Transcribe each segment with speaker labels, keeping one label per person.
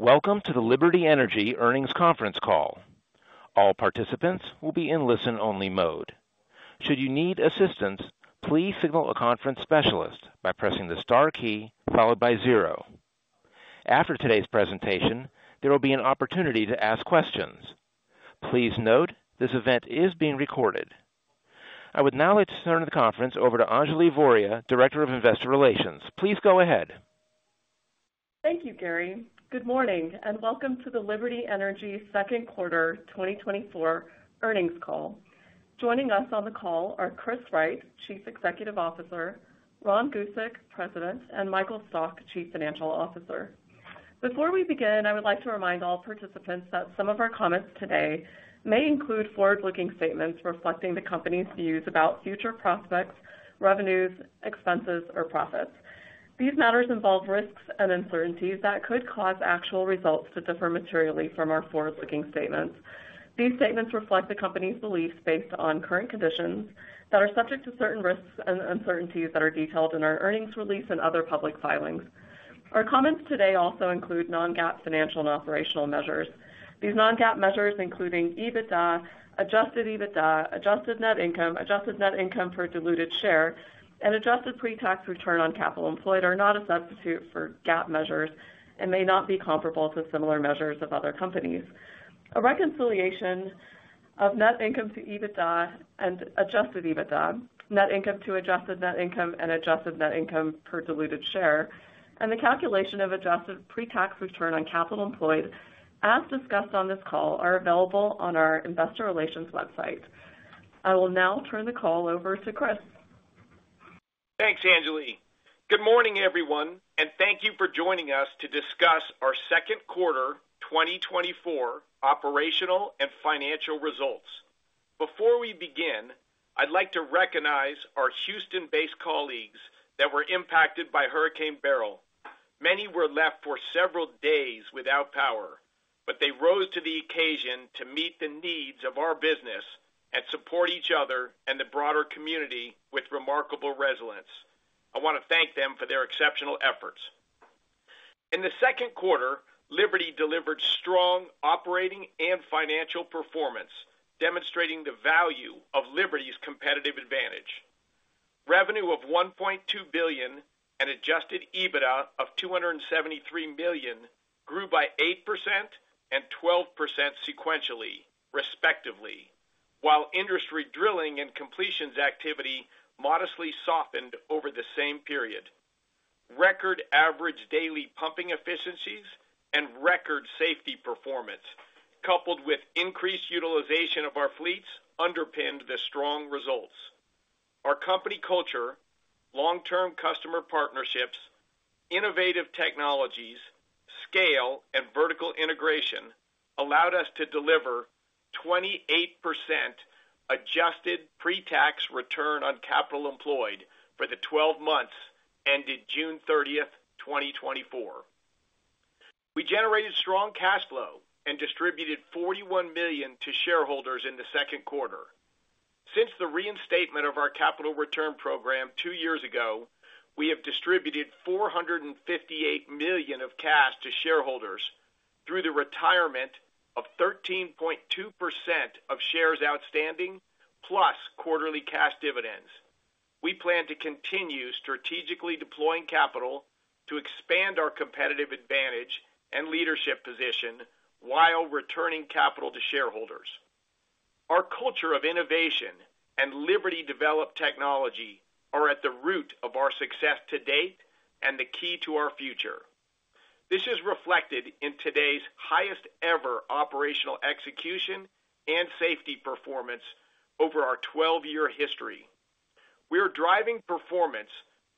Speaker 1: Welcome to the Liberty Energy Earnings Conference Call. All participants will be in listen-only mode. Should you need assistance, please signal a conference specialist by pressing the star key followed by zero. After today's presentation, there will be an opportunity to ask questions. Please note, this event is being recorded. I would now like to turn the conference over to Anjali Voria, Director of Investor Relations. Please go ahead.
Speaker 2: Thank you, Gary. Good morning, and welcome to the Liberty Energy second quarter 2024 earnings call. Joining us on the call are Chris Wright, Chief Executive Officer, Ron Gusek, President, and Michael Stock, Chief Financial Officer. Before we begin, I would like to remind all participants that some of our comments today may include forward-looking statements reflecting the company's views about future prospects, revenues, expenses, or profits. These matters involve risks and uncertainties that could cause actual results to differ materially from our forward-looking statements. These statements reflect the company's beliefs based on current conditions that are subject to certain risks and uncertainties that are detailed in our earnings release and other public filings. Our comments today also include non-GAAP financial and operational measures. These non-GAAP measures, including EBITDA, adjusted EBITDA, adjusted net income, adjusted net income per diluted share, and adjusted pre-tax return on capital employed, are not a substitute for GAAP measures and may not be comparable to similar measures of other companies. A reconciliation of net income to EBITDA and adjusted EBITDA, net income to adjusted net income and adjusted net income per diluted share, and the calculation of adjusted pre-tax return on capital employed, as discussed on this call, are available on our investor relations website. I will now turn the call over to Chris.
Speaker 3: Thanks, Anjali. Good morning, everyone, and thank you for joining us to discuss our second quarter 2024 operational and financial results. Before we begin, I'd like to recognize our Houston-based colleagues that were impacted by Hurricane Beryl. Many were left for several days without power, but they rose to the occasion to meet the needs of our business and support each other and the broader community with remarkable resilience. I want to thank them for their exceptional efforts. In the second quarter, Liberty delivered strong operating and financial performance, demonstrating the value of Liberty's competitive advantage. Revenue of $1.2 billion and adjusted EBITDA of $273 million grew by 8% and 12% sequentially, respectively, while industry drilling and completions activity modestly softened over the same period. Record average daily pumping efficiencies and record safety performance, coupled with increased utilization of our fleets, underpinned the strong results. Our company culture, long-term customer partnerships, innovative technologies, scale, and vertical integration allowed us to deliver 28% adjusted pre-tax return on capital employed for the 12 months ended June 30th, 2024. We generated strong cash flow and distributed $41 million to shareholders in the second quarter. Since the reinstatement of our capital return program two years ago, we have distributed $458 million of cash to shareholders through the retirement of 13.2% of shares outstanding, plus quarterly cash dividends. We plan to continue strategically deploying capital to expand our competitive advantage and leadership position while returning capital to shareholders. Our culture of innovation and Liberty-developed technology are at the root of our success to date and the key to our future. This is reflected in today's highest ever operational execution and safety performance over our 12-year history. We are driving performance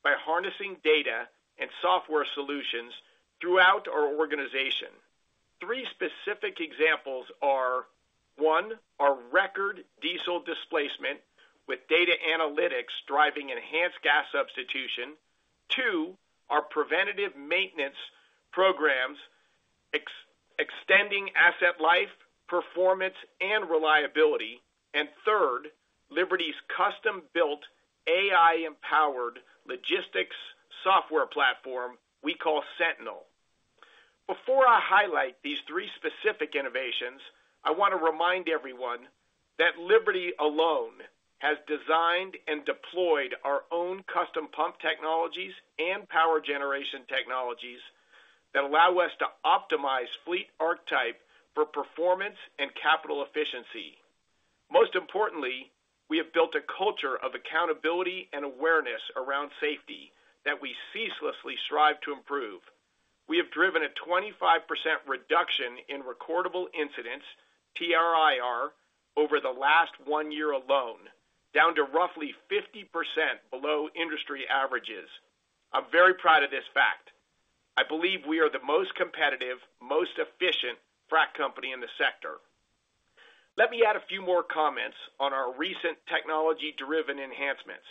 Speaker 3: by harnessing data and software solutions throughout our organization. Three specific examples are, one, our record diesel displacement, with data analytics driving enhanced gas substitution. two, our preventative maintenance programs extending asset life, performance, and reliability. And third, Liberty's custom-built AI-empowered logistics software platform we call Sentinel. Before I highlight these three specific innovations, I want to remind everyone that Liberty alone has designed and deployed our own custom pump technologies and power generation technologies that allow us to optimize fleet archetype for performance and capital efficiency. Most importantly, we have built a culture of accountability and awareness around safety that we ceaselessly strive to improve. We have driven a 25% reduction in recordable incidents, TRIR, over the last one year alone, down to roughly 50% below industry averages. I'm very proud of this fact. I believe we are the most competitive, most efficient frac company in the sector. Let me add a few more comments on our recent technology-driven enhancements.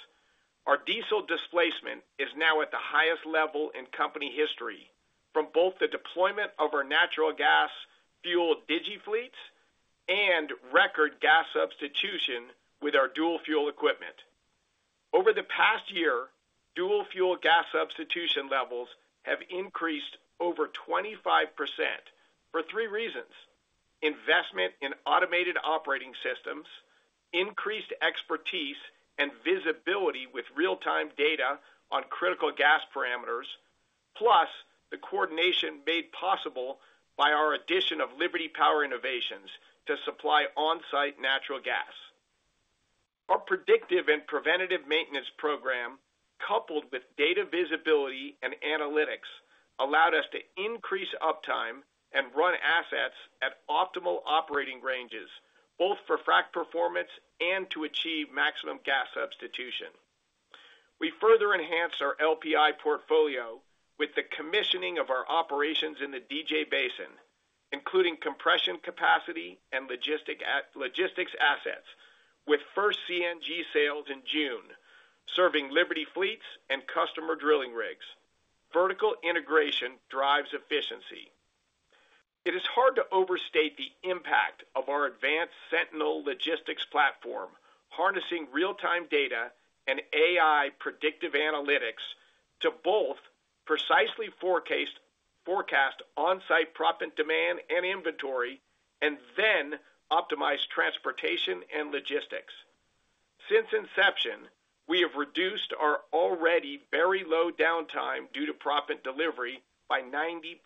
Speaker 3: Our diesel displacement is now at the highest level in company history, from both the deployment of our natural gas fuel digiFleet and record gas substitution with our dual fuel equipment. Over the past year, dual fuel gas substitution levels have increased over 25% for three reasons: investment in automated operating systems, increased expertise and visibility with real-time data on critical gas parameters, plus the coordination made possible by our addition of Liberty Power Innovations to supply on-site natural gas. Our predictive and preventative maintenance program, coupled with data visibility and analytics, allowed us to increase uptime and run assets at optimal operating ranges, both for frac performance and to achieve maximum gas substitution. We further enhanced our LPI portfolio with the commissioning of our operations in the DJ Basin, including compression capacity and logistics assets, with first CNG sales in June, serving Liberty fleets and customer drilling rigs. Vertical integration drives efficiency. It is hard to overstate the impact of our advanced Sentinel logistics platform, harnessing real-time data and AI predictive analytics to both precisely forecast on-site proppant demand and inventory, and then optimize transportation and logistics. Since inception, we have reduced our already very low downtime due to proppant delivery by 90%,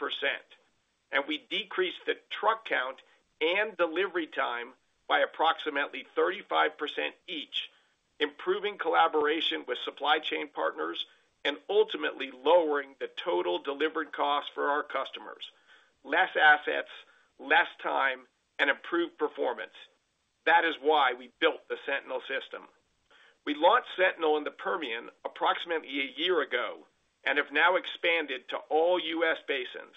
Speaker 3: and we decreased the truck count and delivery time by approximately 35% each, improving collaboration with supply chain partners and ultimately lowering the total delivery cost for our customers. Less assets, less time, and improved performance. That is why we built the Sentinel system. We launched Sentinel in the Permian approximately a year ago and have now expanded to all U.S. basins.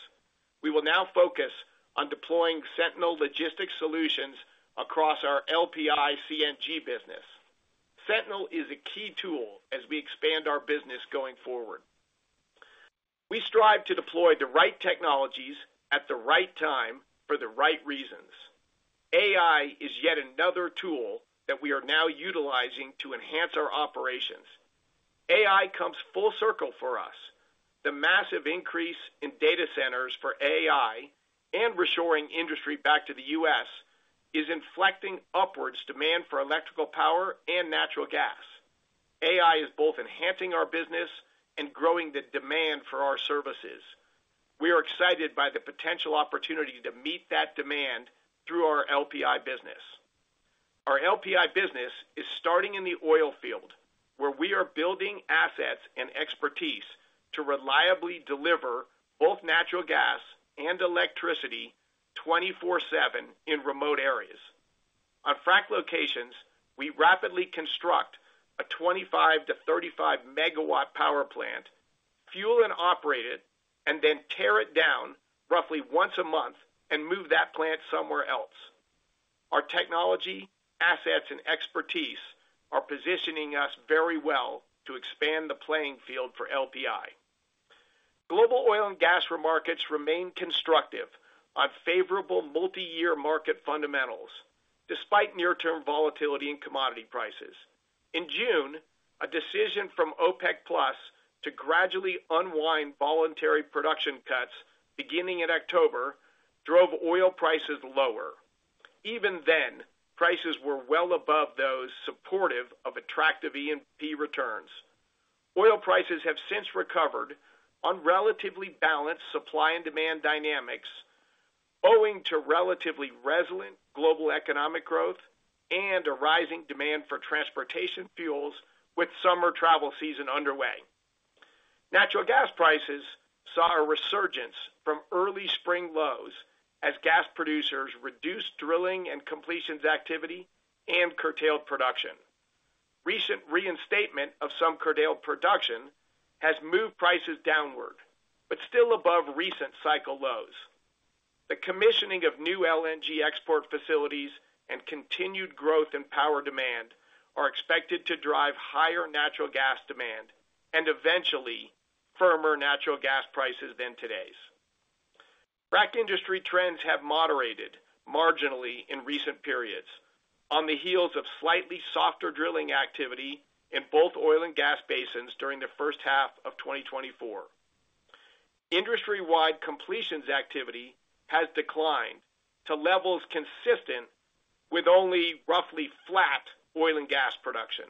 Speaker 3: We will now focus on deploying Sentinel logistics solutions across our LPI CNG business. Sentinel is a key tool as we expand our business going forward. We strive to deploy the right technologies at the right time for the right reasons. AI is yet another tool that we are now utilizing to enhance our operations. AI comes full circle for us. The massive increase in data centers for AI and reshoring industry back to the U.S. is inflecting upwards demand for electrical power and natural gas. AI is both enhancing our business and growing the demand for our services. We are excited by the potential opportunity to meet that demand through our LPI business. Our LPI business is starting in the oil field, where we are building assets and expertise to reliably deliver both natural gas and electricity 24/7 in remote areas. On frac locations, we rapidly construct a 25 MW-35 MW power plant, fuel and operate it, and then tear it down roughly once a month and move that plant somewhere else. Our technology, assets, and expertise are positioning us very well to expand the playing field for LPI. Global oil and gas markets remain constructive on favorable multiyear market fundamentals, despite near-term volatility in commodity prices. In June, a decision from OPEC+ to gradually unwind voluntary production cuts beginning in October drove oil prices lower. Even then, prices were well above those supportive of attractive E&P returns. Oil prices have since recovered on relatively balanced supply and demand dynamics, owing to relatively resilient global economic growth and a rising demand for transportation fuels with summer travel season underway. Natural gas prices saw a resurgence from early spring lows as gas producers reduced drilling and completions activity and curtailed production. Recent reinstatement of some curtailed production has moved prices downward, but still above recent cycle lows. The commissioning of new LNG export facilities and continued growth in power demand are expected to drive higher natural gas demand and eventually firmer natural gas prices than today's. Frac industry trends have moderated marginally in recent periods on the heels of slightly softer drilling activity in both oil and gas basins during the first half of 2024. Industry-wide completions activity has declined to levels consistent with only roughly flat oil and gas production.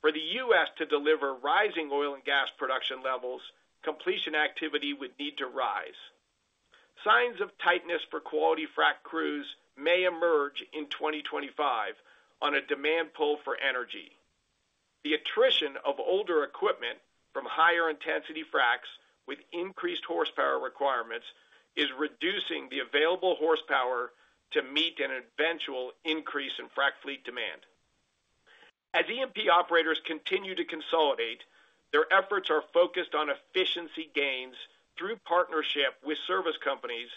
Speaker 3: For the U.S. to deliver rising oil and gas production levels, completion activity would need to rise. Signs of tightness for quality frac crews may emerge in 2025 on a demand pull for energy. The attrition of older equipment from higher intensity fracs with increased horsepower requirements is reducing the available horsepower to meet an eventual increase in frac fleet demand. As E&P operators continue to consolidate, their efforts are focused on efficiency gains through partnership with service companies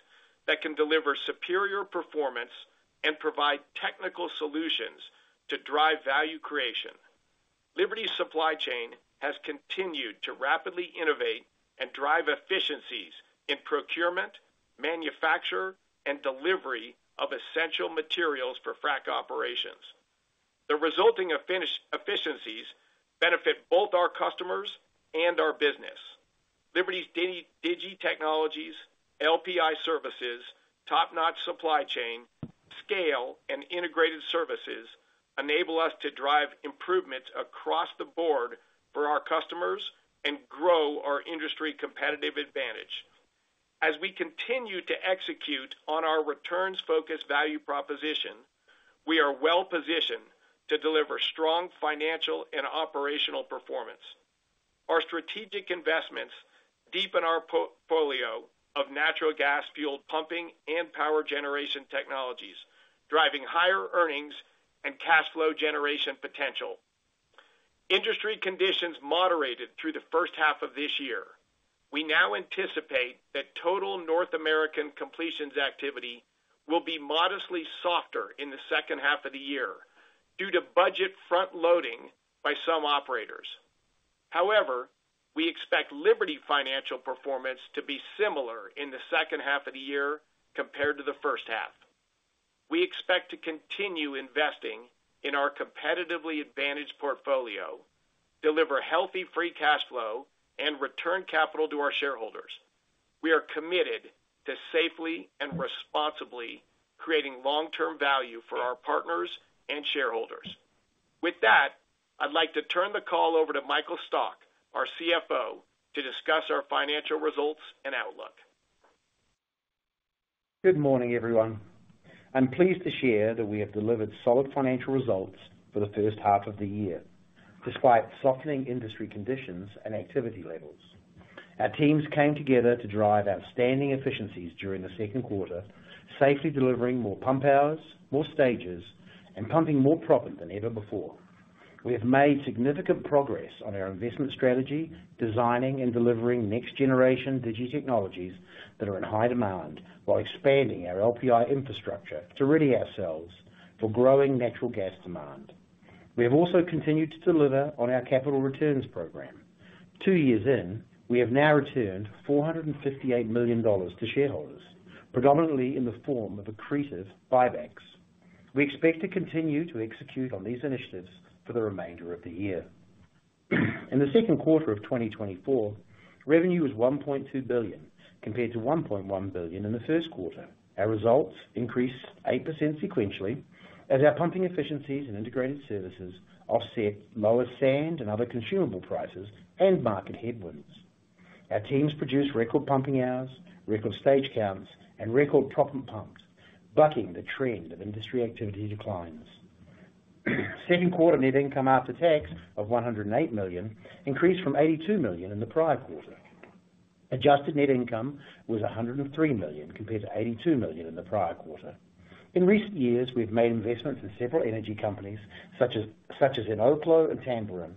Speaker 3: that can deliver superior performance and provide technical solutions to drive value creation. Liberty's supply chain has continued to rapidly innovate and drive efficiencies in procurement, manufacture, and delivery of essential materials for frac operations. The resulting efficiencies benefit both our customers and our business. Liberty's digiTechnologies, LPI services, top-notch supply chain, scale, and integrated services enable us to drive improvements across the board for our customers and grow our industry competitive advantage. As we continue to execute on our returns-focused value proposition, we are well positioned to deliver strong financial and operational performance. Our strategic investments deepen our portfolio of natural gas-fueled pumping and power generation technologies, driving higher earnings and cash flow generation potential. Industry conditions moderated through the first half of this year. We now anticipate that total North American completions activity will be modestly softer in the second half of the year due to budget frontloading by some operators. However, we expect Liberty financial performance to be similar in the second half of the year compared to the first half. We expect to continue investing in our competitively advantaged portfolio, deliver healthy free cash flow, and return capital to our shareholders. We are committed to safely and responsibly creating long-term value for our partners and shareholders. With that, I'd like to turn the call over to Michael Stock, our CFO, to discuss our financial results and outlook.
Speaker 4: Good morning, everyone. I'm pleased to share that we have delivered solid financial results for the first half of the year, despite softening industry conditions and activity levels. Our teams came together to drive outstanding efficiencies during the second quarter, safely delivering more pump hours, more stages, and pumping more proppant than ever before. We have made significant progress on our investment strategy, designing and delivering next generation digiTechnologies that are in high demand, while expanding our LPI infrastructure to ready ourselves for growing natural gas demand. We have also continued to deliver on our capital returns program. Two years in, we have now returned $458 million to shareholders, predominantly in the form of accretive buybacks. We expect to continue to execute on these initiatives for the remainder of the year. In the second quarter of 2024, revenue was $1.2 billion, compared to $1.1 billion in the first quarter. Our results increased 8% sequentially, as our pumping efficiencies and integrated services offset lower sand and other consumable prices and market headwinds. Our teams produced record pumping hours, record stage counts, and record proppant pumps, bucking the trend of industry activity declines. Second quarter net income after tax of $108 million increased from $82 million in the prior quarter. Adjusted net income was $103 million, compared to $82 million in the prior quarter. In recent years, we've made investments in several energy companies, such as, such as in Oklo and Tamboran,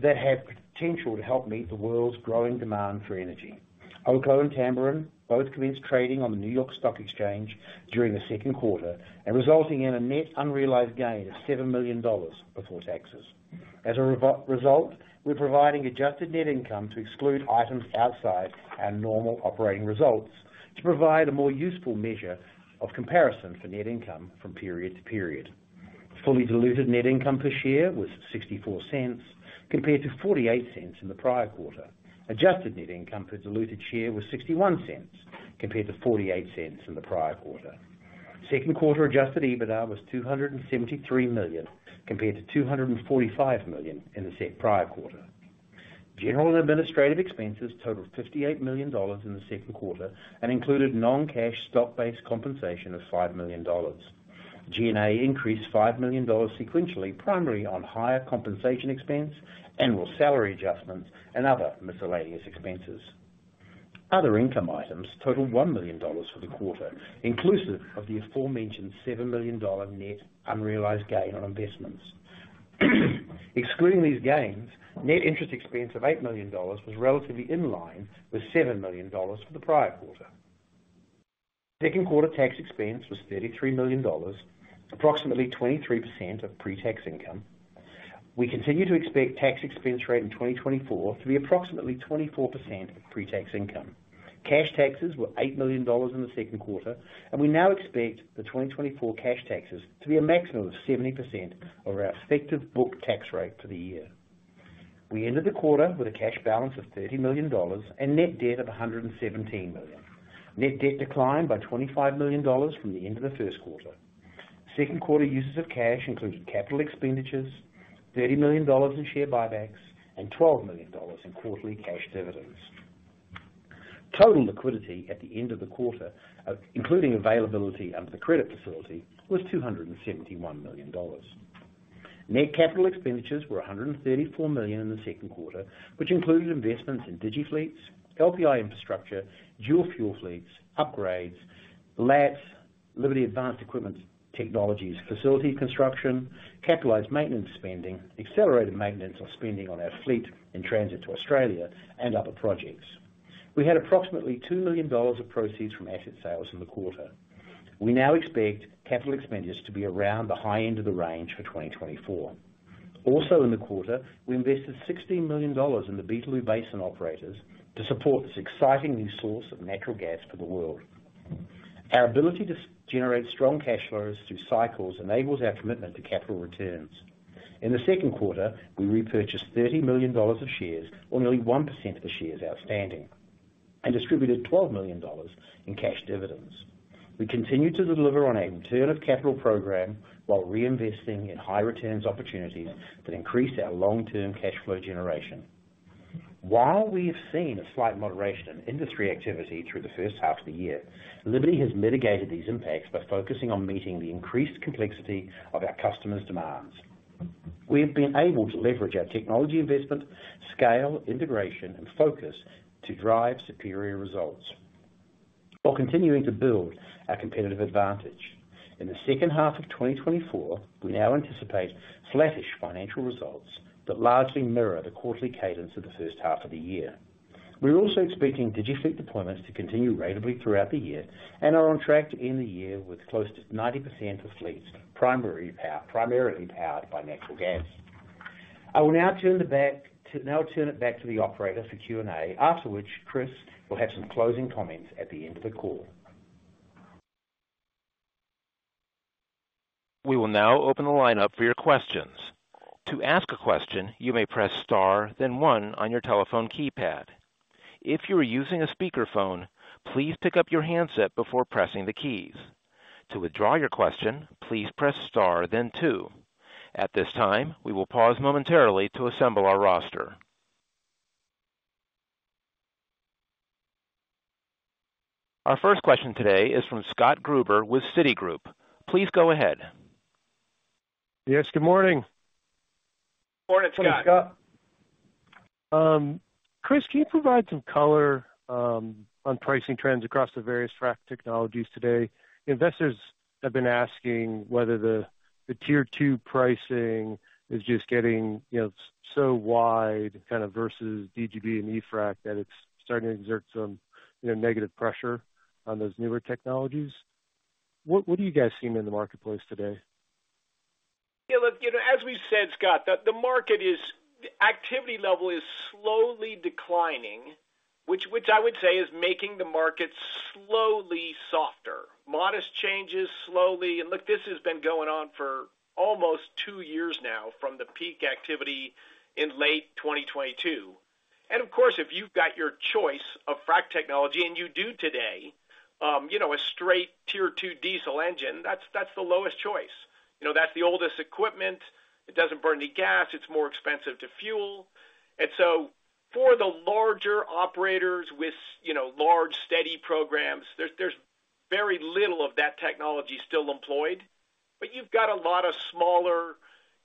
Speaker 4: that have potential to help meet the world's growing demand for energy. Oklo and Tamboran both commenced trading on the New York Stock Exchange during the second quarter, and resulting in a net unrealized gain of $7 million before taxes. As a result, we're providing adjusted net income to exclude items outside our normal operating results, to provide a more useful measure of comparison for net income from period to period. Fully diluted net income per share was $0.64, compared to $0.48 in the prior quarter. Adjusted net income per diluted share was $0.61, compared to $0.48 in the prior quarter. Second quarter adjusted EBITDA was $273 million, compared to $245 million in the prior quarter. General and administrative expenses totaled $58 million in the second quarter, and included non-cash stock-based compensation of $5 million. G&A increased $5 million sequentially, primarily on higher compensation expense, annual salary adjustments, and other miscellaneous expenses. Other income items totaled $1 million for the quarter, inclusive of the aforementioned $7 million net unrealized gain on investments. Excluding these gains, net interest expense of $8 million was relatively in line with $7 million for the prior quarter. Second quarter tax expense was $33 million, approximately 23% of pre-tax income. We continue to expect tax expense rate in 2024 to be approximately 24% of pre-tax income. Cash taxes were $8 million in the second quarter, and we now expect the 2024 cash taxes to be a maximum of 70% of our effective book tax rate for the year. We ended the quarter with a cash balance of $30 million and net debt of $117 million. Net debt declined by $25 million from the end of the first quarter. Second quarter uses of cash included capital expenditures, $30 million in share buybacks, and $12 million in quarterly cash dividends. Total liquidity at the end of the quarter, including availability under the credit facility, was $271 million. Net capital expenditures were $134 million in the second quarter, which included investments in digiFleet, LPI infrastructure, dual fuel fleets, upgrades, LAET, Liberty Advanced Equipment Technologies, facility construction, capitalized maintenance spending, accelerated maintenance spending on our fleet in transit to Australia, and other projects. We had approximately $2 million of proceeds from asset sales in the quarter. We now expect capital expenditures to be around the high end of the range for 2024. Also in the quarter, we invested $16 million in the Beetaloo Basin operators to support this exciting new source of natural gas for the world. Our ability to generate strong cash flows through cycles enables our commitment to capital returns. In the second quarter, we repurchased $30 million of shares, or nearly 1% of the shares outstanding, and distributed $12 million in cash dividends. We continued to deliver on a return of capital program while reinvesting in high returns opportunities that increase our long-term cash flow generation. While we have seen a slight moderation in industry activity through the first half of the year, Liberty has mitigated these impacts by focusing on meeting the increased complexity of our customers' demands. We have been able to leverage our technology investment, scale, integration and focus to drive superior results while continuing to build our competitive advantage. In the second half of 2024, we now anticipate flattish financial results that largely mirror the quarterly cadence of the first half of the year. We're also expecting digiFleet deployments to continue ratably throughout the year and are on track to end the year with close to 90% of fleets primarily powered by natural gas. I will now turn it back to the operator for Q&A, after which Chris will have some closing comments at the end of the call.
Speaker 1: We will now open the line up for your questions. To ask a question, you may press star, then one on your telephone keypad. If you are using a speakerphone, please pick up your handset before pressing the keys. To withdraw your question, please press star then two. At this time, we will pause momentarily to assemble our roster. Our first question today is from Scott Gruber with Citigroup. Please go ahead.
Speaker 5: Yes, good morning.
Speaker 3: Morning, Scott.
Speaker 4: Morning, Scott.
Speaker 5: Chris, can you provide some color on pricing trends across the various frac technologies today? Investors have been asking whether the Tier 2 pricing is just getting, you know, so wide kind of versus DGB and e-frac, that it's starting to exert some, you know, negative pressure on those newer technologies. What are you guys seeing in the marketplace today?
Speaker 3: Yeah, look, you know, as we've said, Scott, the market is... Activity level is slowly declining, which I would say is making the market slowly softer. Modest changes, slowly, and look, this has been going on for almost years years now from the peak activity in late 2022. And of course, if you've got your choice of frac technology, and you do today, you know, a straight Tier 2 diesel engine, that's the lowest choice. You know, that's the oldest equipment. It doesn't burn any gas. It's more expensive to fuel. And so for the larger operators with, you know, large, steady programs, there's very little of that technology still employed. But you've got a lot of smaller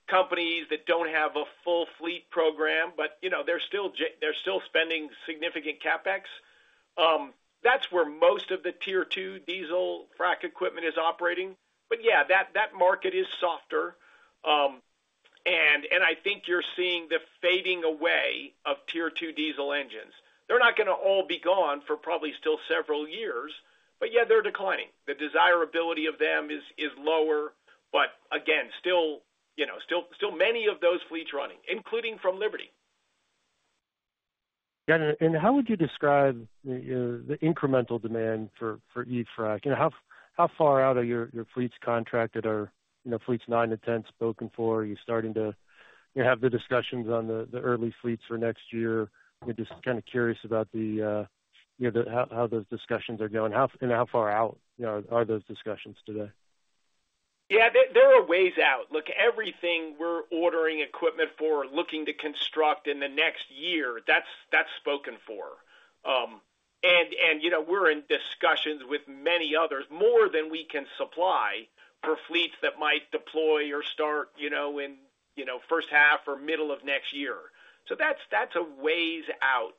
Speaker 3: companies that don't have a full fleet program, but, you know, they're still spending significant CapEx. That's where most of the Tier 2 diesel frac equipment is operating. But yeah, that market is softer. And I think you're seeing the fading away of Tier 2 diesel engines. They're not gonna all be gone for probably still several years, but yeah, they're declining. The desirability of them is lower, but again, still, you know, still many of those fleets running, including from Liberty.
Speaker 5: How would you describe the incremental demand for e-frac? You know, how far out are your fleets contracted or, you know, fleets nine-ten spoken for? Are you starting to, you know, have the discussions on the early fleets for next year? We're just kinda curious about the, you know, the—how those discussions are going. How, and how far out, you know, are those discussions today?
Speaker 3: Yeah, they are ways out. Look, everything we're ordering equipment for, looking to construct in the next year, that's spoken for. And you know, we're in discussions with many others, more than we can supply, for fleets that might deploy or start, you know, in first half or middle of next year. So that's a ways out.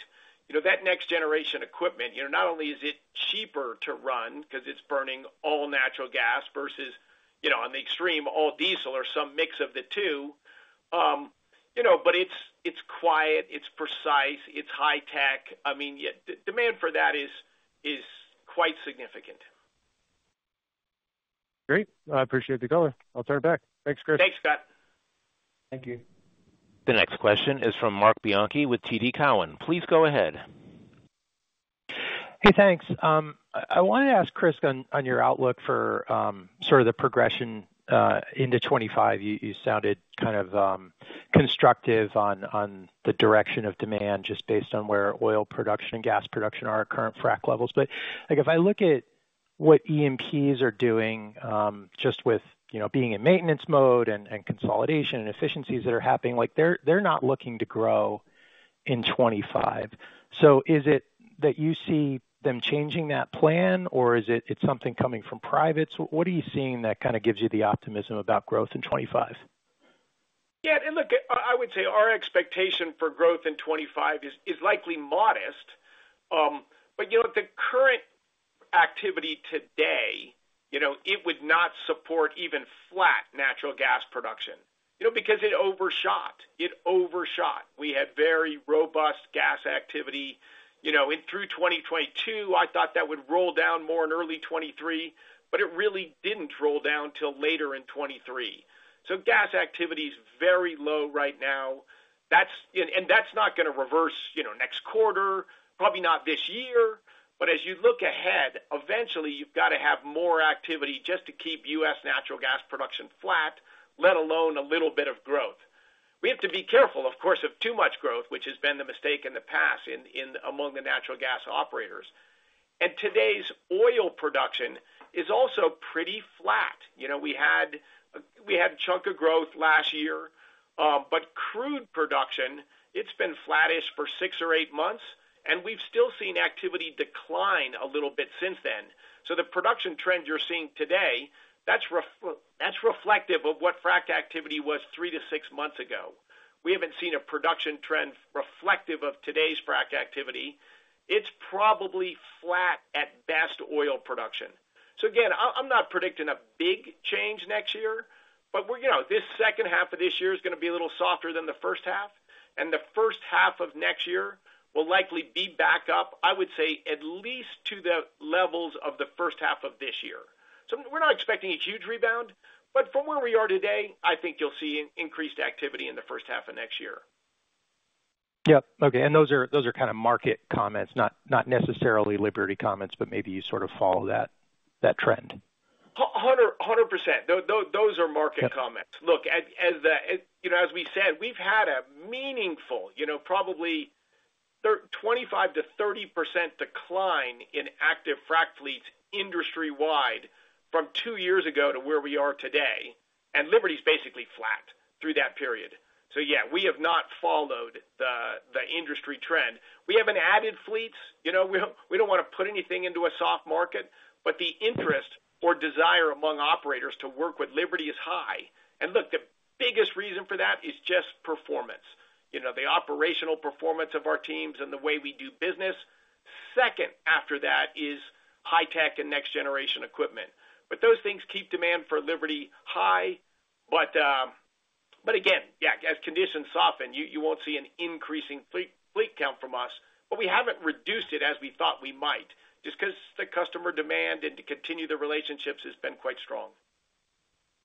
Speaker 3: You know, that next generation equipment, you know, not only is it cheaper to run because it's burning all natural gas versus, you know, on the extreme, all diesel or some mix of the two, you know, but it's quiet, it's precise, it's high tech. I mean, yeah, demand for that is quite significant.
Speaker 5: Great. I appreciate the color. I'll turn it back. Thanks, Chris.
Speaker 3: Thanks, Scott.
Speaker 5: Thank you.
Speaker 1: The next question is from Marc Bianchi with TD Cowen. Please go ahead.
Speaker 6: Hey, thanks. I wanna ask Chris on your outlook for sort of the progression into 2025. You sounded kind of constructive on the direction of demand, just based on where oil production and gas production are at current frac levels. But, like, if I look at what E&Ps are doing, just with you know, being in maintenance mode and consolidation and efficiencies that are happening, like, they're not looking to grow in 2025. So is it that you see them changing that plan, or is it something coming from privates? What are you seeing that kinda gives you the optimism about growth in 2025?
Speaker 3: Yeah, and look, I would say our expectation for growth in 2025 is likely modest. But, you know, the current activity today, you know, it would not support even flat natural gas production, you know, because it overshot. It overshot. We had very robust gas activity, you know, in through 2022. I thought that would roll down more in early 2023, but it really didn't roll down till later in 2023. So gas activity is very low right now. That's, and that's not gonna reverse, you know, next quarter, probably not this year. But as you look ahead, eventually, you've got to have more activity just to keep U.S. natural gas production flat, let alone a little bit of growth. We have to be careful, of course, of too much growth, which has been the mistake in the past in among the natural gas operators. Today's oil production is also pretty flat. You know, we had a chunk of growth last year, but crude production, it's been flattish for six or eight months, and we've still seen activity decline a little bit since then. So the production trend you're seeing today, that's reflective of what frac activity was three to six months ago. We haven't seen a production trend reflective of today's frac activity. It's probably flat at best oil production. So again, I'm not predicting a big change next year, but, you know, this second half of this year is gonna be a little softer than the first half, and the first half of next year will likely be back up, I would say, at least to the levels of the first half of this year. So we're not expecting a huge rebound, but from where we are today, I think you'll see increased activity in the first half of next year.
Speaker 6: Yep. Okay, and those are, those are kind of market comments, not, not necessarily Liberty comments, but maybe you sort of follow that, that trend.
Speaker 3: 100%. Those are market comments.
Speaker 6: Yep.
Speaker 3: Look, as the, you know, as we said, we've had a meaningful, you know, probably 25%-30% decline in active frac fleets industry-wide from two years ago to where we are today, and Liberty's basically flat through that period. So yeah, we have not followed the industry trend. We haven't added fleets. You know, we don't wanna put anything into a soft market, but the interest or desire among operators to work with Liberty is high. And look, the biggest reason for that is just performance. You know, the operational performance of our teams and the way we do business. Second after that is high tech and next-generation equipment. But those things keep demand for Liberty high. But again, yeah, as conditions soften, you won't see an increasing fleet count from us, but we haven't reduced it as we thought we might, just 'cause the customer demand and to continue the relationships has been quite strong.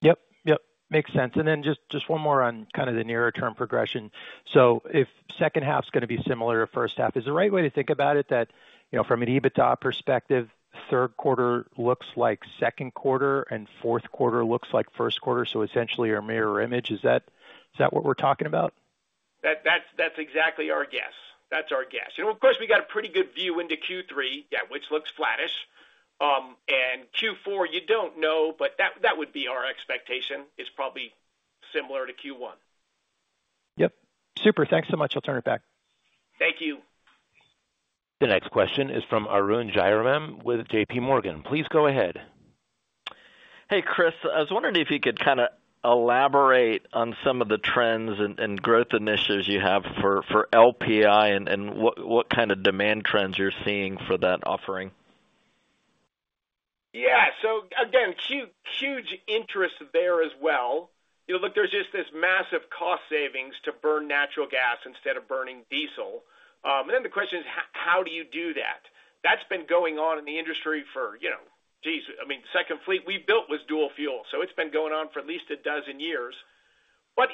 Speaker 6: Yep, yep. Makes sense. Then just, just one more on kind of the nearer term progression. So if second half's gonna be similar to first half, is the right way to think about it that, you know, from an EBITDA perspective, third quarter looks like second quarter, and fourth quarter looks like first quarter, so essentially our mirror image, is that, is that what we're talking about?
Speaker 3: That, that's, that's exactly our guess. That's our guess. And of course, we got a pretty good view into Q3, yeah, which looks flattish. And Q4, you don't know, but that, that would be our expectation, is probably similar to Q1.
Speaker 6: Yep. Super. Thanks so much. I'll turn it back.
Speaker 3: Thank you.
Speaker 1: The next question is from Arun Jayaram with JPMorgan. Please go ahead.
Speaker 7: Hey, Chris, I was wondering if you could kinda elaborate on some of the trends and growth initiatives you have for LPI and what kind of demand trends you're seeing for that offering.
Speaker 3: Yeah. So again, huge, huge interest there as well. You know, look, there's just this massive cost savings to burn natural gas instead of burning diesel. And then the question is: how do you do that? That's been going on in the industry for, you know, geez, I mean, second fleet we built was dual fuel, so it's been going on for at least a dozen years. But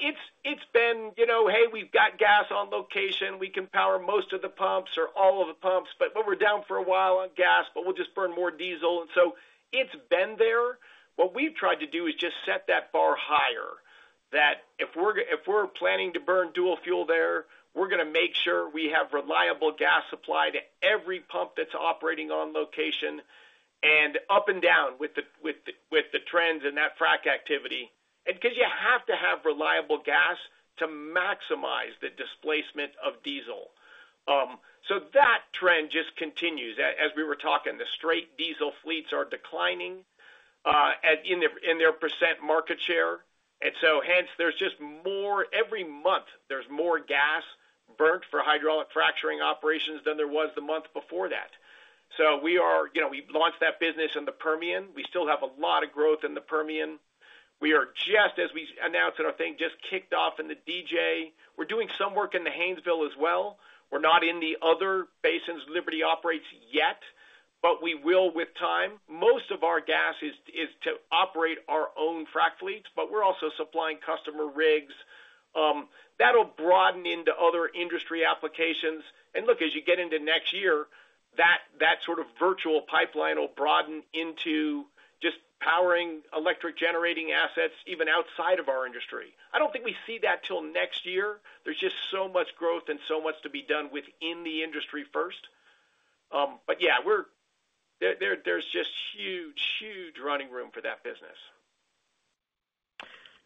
Speaker 3: it's been, you know, hey, we've got gas on location. We can power most of the pumps or all of the pumps, but we're down for a while on gas, but we'll just burn more diesel. And so it's been there. What we've tried to do is just set that bar higher, that if we're planning to burn dual fuel there, we're gonna make sure we have reliable gas supply to every pump that's operating on location and up and down with the trends in that frac activity. And because you have to have reliable gas to maximize the displacement of diesel. So that trend just continues. As we were talking, the straight diesel fleets are declining in their percent market share, and so hence, there's just more. Every month, there's more gas burned for hydraulic fracturing operations than there was the month before that. So we are, you know, we've launched that business in the Permian. We still have a lot of growth in the Permian. We are just, as we announced in our thing, just kicked off in the DJ. We're doing some work in the Haynesville as well. We're not in the other basins Liberty operates yet, but we will with time. Most of our gas is to operate our own frac fleets, but we're also supplying customer rigs. That'll broaden into other industry applications. And look, as you get into next year, that sort of virtual pipeline will broaden into just powering electric generating assets, even outside of our industry. I don't think we see that till next year. There's just so much growth and so much to be done within the industry first. But yeah, we're there, there's just huge, huge running room for that business.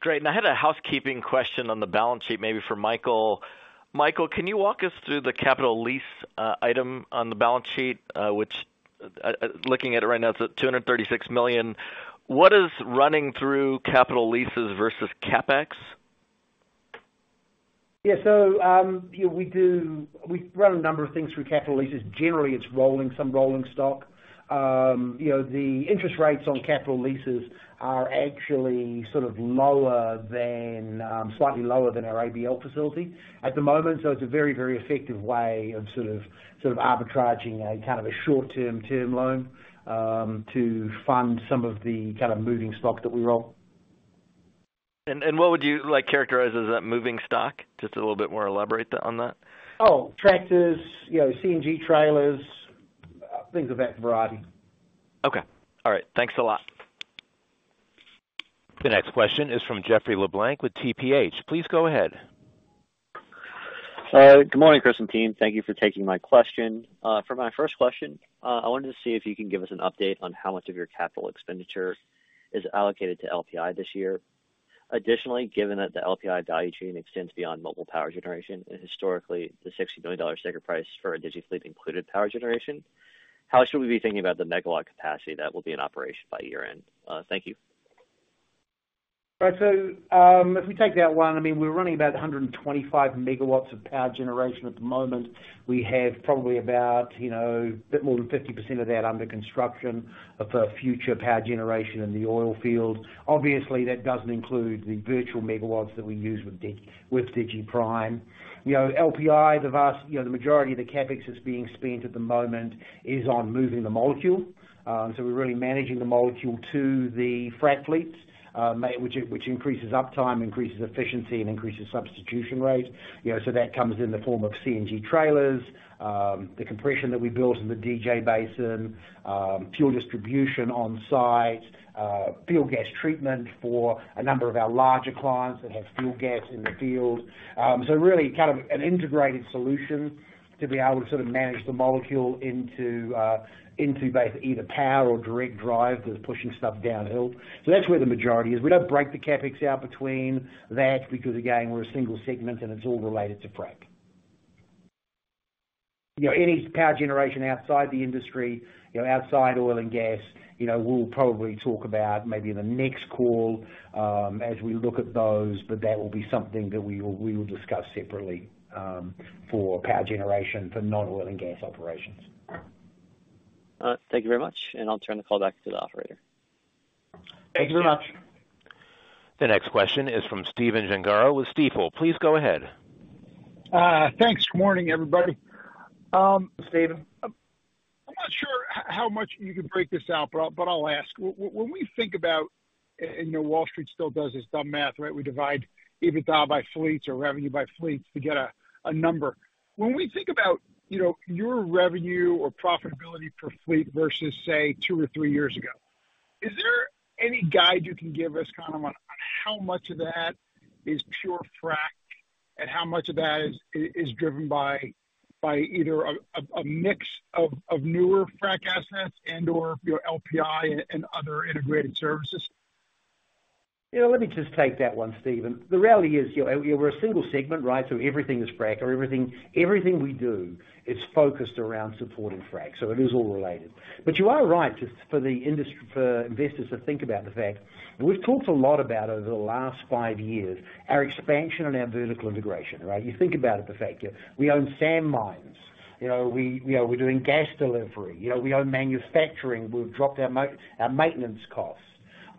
Speaker 7: Great. And I had a housekeeping question on the balance sheet, maybe for Michael. Michael, can you walk us through the capital lease item on the balance sheet, which, looking at it right now, it's at $236 million. What is running through capital leases versus CapEx?...
Speaker 4: Yeah, so, yeah, we do, we run a number of things through capital leases. Generally, it's rolling, some rolling stock. You know, the interest rates on capital leases are actually sort of lower than, slightly lower than our ABL facility at the moment. So it's a very, very effective way of sort of, sort of arbitraging a kind of a short-term term loan to fund some of the kind of moving stock that we roll.
Speaker 7: And what would you, like, characterize as that moving stock? Just a little bit more elaborate on that.
Speaker 4: Oh, tractors, you know, CNG trailers, things of that variety.
Speaker 7: Okay. All right. Thanks a lot.
Speaker 1: The next question is from Jeffrey LeBlanc with TPH. Please go ahead.
Speaker 8: Good morning, Chris and team. Thank you for taking my question. For my first question, I wanted to see if you can give us an update on how much of your capital expenditure is allocated to LPI this year. Additionally, given that the LPI value chain extends beyond mobile power generation, and historically, the $60 million sticker price for a digiFleet included power generation, how should we be thinking about the megawatt capacity that will be in operation by year-end? Thank you.
Speaker 4: Right. So, if we take that one, I mean, we're running about 125 megawatts of power generation at the moment. We have probably about, you know, a bit more than 50% of that under construction for future power generation in the oil field. Obviously, that doesn't include the virtual megawatts that we use with digiPrime. You know, LPI, the vast majority of the CapEx that's being spent at the moment is on moving the molecule. So we're really managing the molecule to the frac fleets, which increases uptime, increases efficiency, and increases substitution rates. You know, so that comes in the form of CNG trailers, the compression that we built in the DJ Basin, fuel distribution on site, fuel gas treatment for a number of our larger clients that have fuel gas in the field. So really kind of an integrated solution to be able to sort of manage the molecule into, into basic, either power or direct drive that's pushing stuff downhill. So that's where the majority is. We don't break the CapEx out between that, because again, we're a single segment, and it's all related to frac. You know, any power generation outside the industry, you know, outside oil and gas, you know, we'll probably talk about maybe in the next call, as we look at those, but that will be something that we will, we will discuss separately, for power generation for non-oil and gas operations.
Speaker 8: Thank you very much, and I'll turn the call back to the operator.
Speaker 4: Thank you very much.
Speaker 1: The next question is from Stephen Gengaro with Stifel. Please go ahead.
Speaker 9: Thanks. Good morning, everybody.
Speaker 4: Um, Stephen.
Speaker 9: I'm not sure how much you can break this out, but I'll ask. When we think about, and, you know, Wall Street still does this dumb math, right? We divide EBITDA by fleets or revenue by fleets to get a number. When we think about, you know, your revenue or profitability per fleet versus, say, two or three years ago, is there any guide you can give us, kind of, on how much of that is pure frac and how much of that is driven by either a mix of newer frac assets and/or your LPI and other integrated services?
Speaker 4: You know, let me just take that one, Stephen. The reality is, you know, we're a single segment, right? So everything is frac or everything, everything we do is focused around supporting frac, so it is all related. But you are right to, for the industry—for investors to think about the fact, we've talked a lot about over the last five years, our expansion and our vertical integration, right? You think about it, perfect. We own sand mines, you know, we, we are doing gas delivery, you know, we own manufacturing. We've dropped our maintenance costs.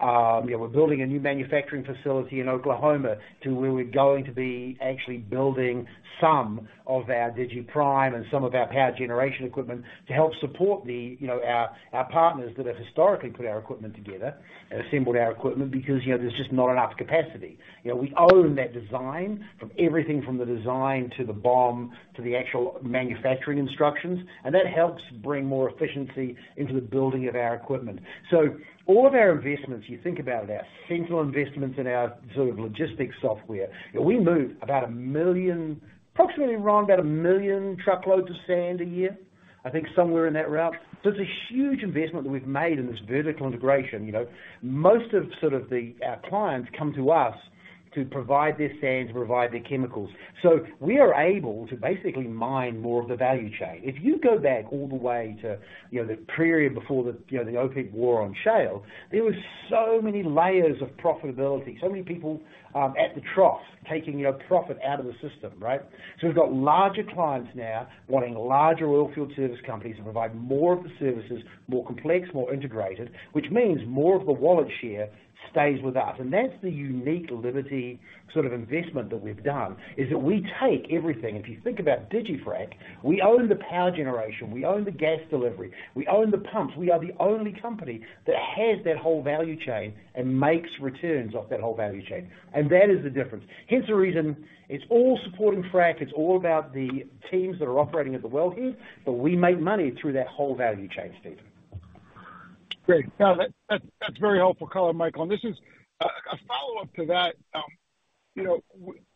Speaker 4: You know, we're building a new manufacturing facility in Oklahoma where we're going to be actually building some of our digiPrime and some of our power generation equipment to help support the, you know, our, our partners that have historically put our equipment together and assembled our equipment because, you know, there's just not enough capacity. You know, we own that design, from everything from the design to the BOM, to the actual manufacturing instructions, and that helps bring more efficiency into the building of our equipment. So all of our investments, you think about it, our central investments in our sort of logistics software, we move about 1 million, approximately around about 1 million truckloads of sand a year. I think somewhere in that range. So it's a huge investment that we've made in this vertical integration, you know. Most of our clients come to us to provide their sand, to provide their chemicals. So we are able to basically mine more of the value chain. If you go back all the way to, you know, the period before the, you know, the OPEC war on shale, there were so many layers of profitability, so many people at the trough, taking, you know, profit out of the system, right? So we've got larger clients now wanting larger oil field service companies to provide more of the services, more complex, more integrated, which means more of the wallet share stays with us. And that's the unique Liberty sort of investment that we've done, is that we take everything. If you think about digiFrac, we own the power generation, we own the gas delivery, we own the pumps. We are the only company that has that whole value chain and makes returns off that whole value chain, and that is the difference. Hence, the reason it's all supporting frac, it's all about the teams that are operating at the wellhead, but we make money through that whole value chain, Stephen.
Speaker 9: Great. Now, that's very helpful color, Michael. And this is a follow-up to that. You know,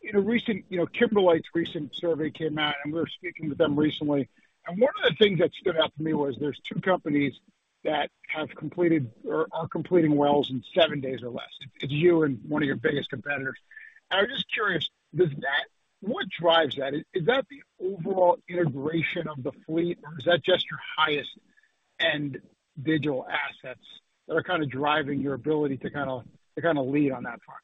Speaker 9: in a recent, you know, Kimberlite's recent survey came out, and we were speaking with them recently. And one of the things that stood out to me was there's two companies that have completed or are completing wells in seven days or less. It's you and one of your biggest competitors. I was just curious, does that—what drives that? Is that the overall integration of the fleet, or is that just your highest... and digital assets that are kind of driving your ability to kind of, to kind of lead on that front?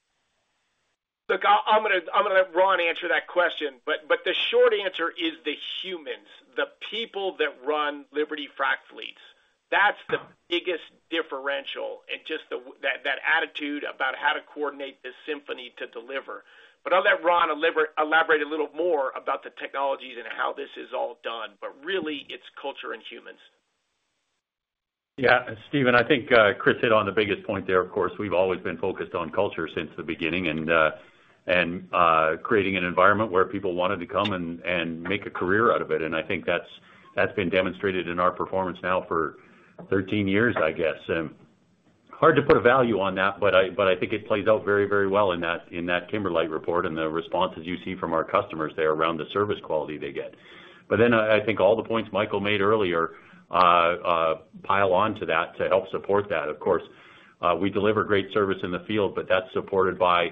Speaker 3: Look, I'm gonna let Ron answer that question, but the short answer is the humans, the people that run Liberty Frac fleets. That's the biggest differential, and just the way that attitude about how to coordinate this symphony to deliver. But I'll let Ron elaborate a little more about the technologies and how this is all done, but really, it's culture and humans.
Speaker 10: Yeah, Stephen, I think Chris hit on the biggest point there. Of course, we've always been focused on culture since the beginning and creating an environment where people wanted to come and make a career out of it. And I think that's been demonstrated in our performance now for 13 years, I guess. Hard to put a value on that, but I think it plays out very, very well in that Kimberlite report and the responses you see from our customers there around the service quality they get. But then I think all the points Michael made earlier pile on to that to help support that. Of course, we deliver great service in the field, but that's supported by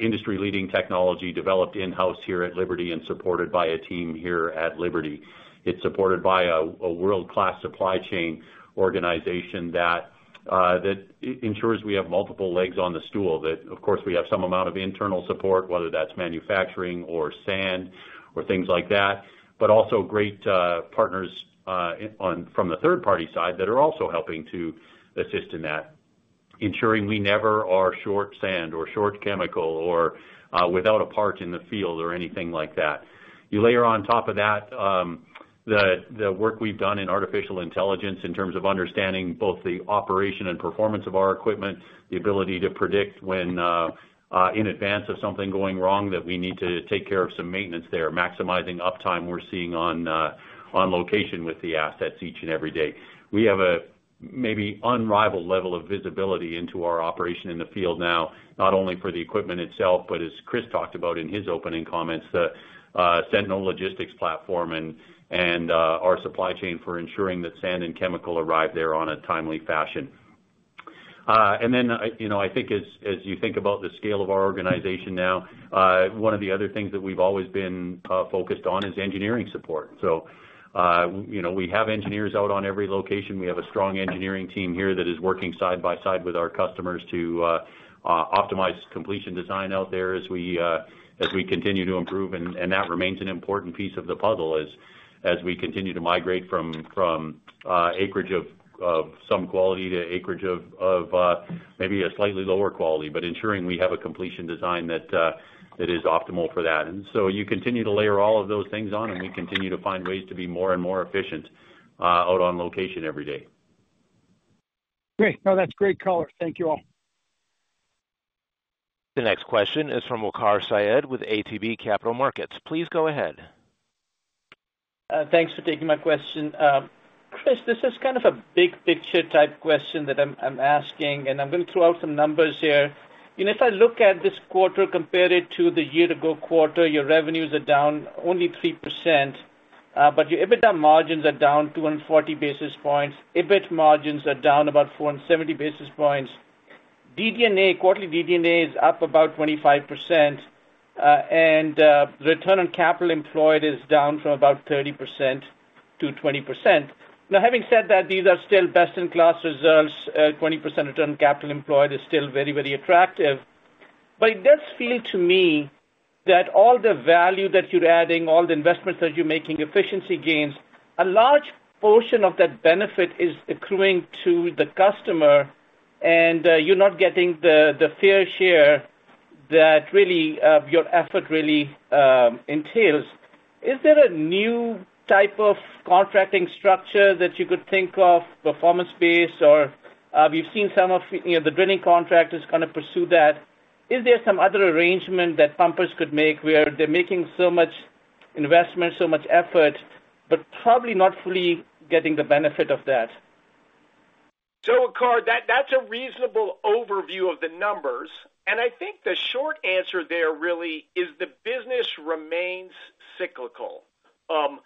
Speaker 10: industry-leading technology developed in-house here at Liberty and supported by a team here at Liberty. It's supported by a world-class supply chain organization that ensures we have multiple legs on the stool, that, of course, we have some amount of internal support, whether that's manufacturing or sand or things like that, but also great partners from the third party side that are also helping to assist in that, ensuring we never are short sand or short chemical or without a part in the field or anything like that. You layer on top of that, the work we've done in artificial intelligence in terms of understanding both the operation and performance of our equipment, the ability to predict when in advance of something going wrong, that we need to take care of some maintenance there, maximizing uptime we're seeing on location with the assets each and every day. We have a maybe unrivaled level of visibility into our operation in the field now, not only for the equipment itself, but as Chris talked about in his opening comments, the Sentinel Logistics platform and our supply chain for ensuring that sand and chemical arrive there on a timely fashion. And then, I, you know, I think as you think about the scale of our organization now, one of the other things that we've always been focused on is engineering support. So, you know, we have engineers out on every location. We have a strong engineering team here that is working side by side with our customers to optimize completion design out there as we continue to improve. And that remains an important piece of the puzzle as we continue to migrate from acreage of some quality to acreage of maybe a slightly lower quality, but ensuring we have a completion design that is optimal for that. And so you continue to layer all of those things on, and we continue to find ways to be more and more efficient out on location every day.
Speaker 9: Great. No, that's great color. Thank you all.
Speaker 1: The next question is from Waqar Syed with ATB Capital Markets. Please go ahead.
Speaker 11: Thanks for taking my question. Chris, this is kind of a big picture type question that I'm asking, and I'm gonna throw out some numbers here. You know, if I look at this quarter, compare it to the year ago quarter, your revenues are down only 3%, but your EBITDA margins are down 240 basis points. EBIT margins are down about 470 basis points. DD&A, quarterly DD&A is up about 25%, and return on capital employed is down from about 30% to 20%. Now, having said that, these are still best-in-class results. Twenty percent return on capital employed is still very, very attractive. But it does feel to me that all the value that you're adding, all the investments that you're making, efficiency gains, a large portion of that benefit is accruing to the customer, and you're not getting the fair share that really your effort really entails. Is there a new type of contracting structure that you could think of, performance-based, or we've seen some of, you know, the drilling contractors kind of pursue that. Is there some other arrangement that pumpers could make where they're making so much investment, so much effort, but probably not fully getting the benefit of that?
Speaker 3: So, Waqar, that's a reasonable overview of the numbers, and I think the short answer there really is the business remains cyclical. That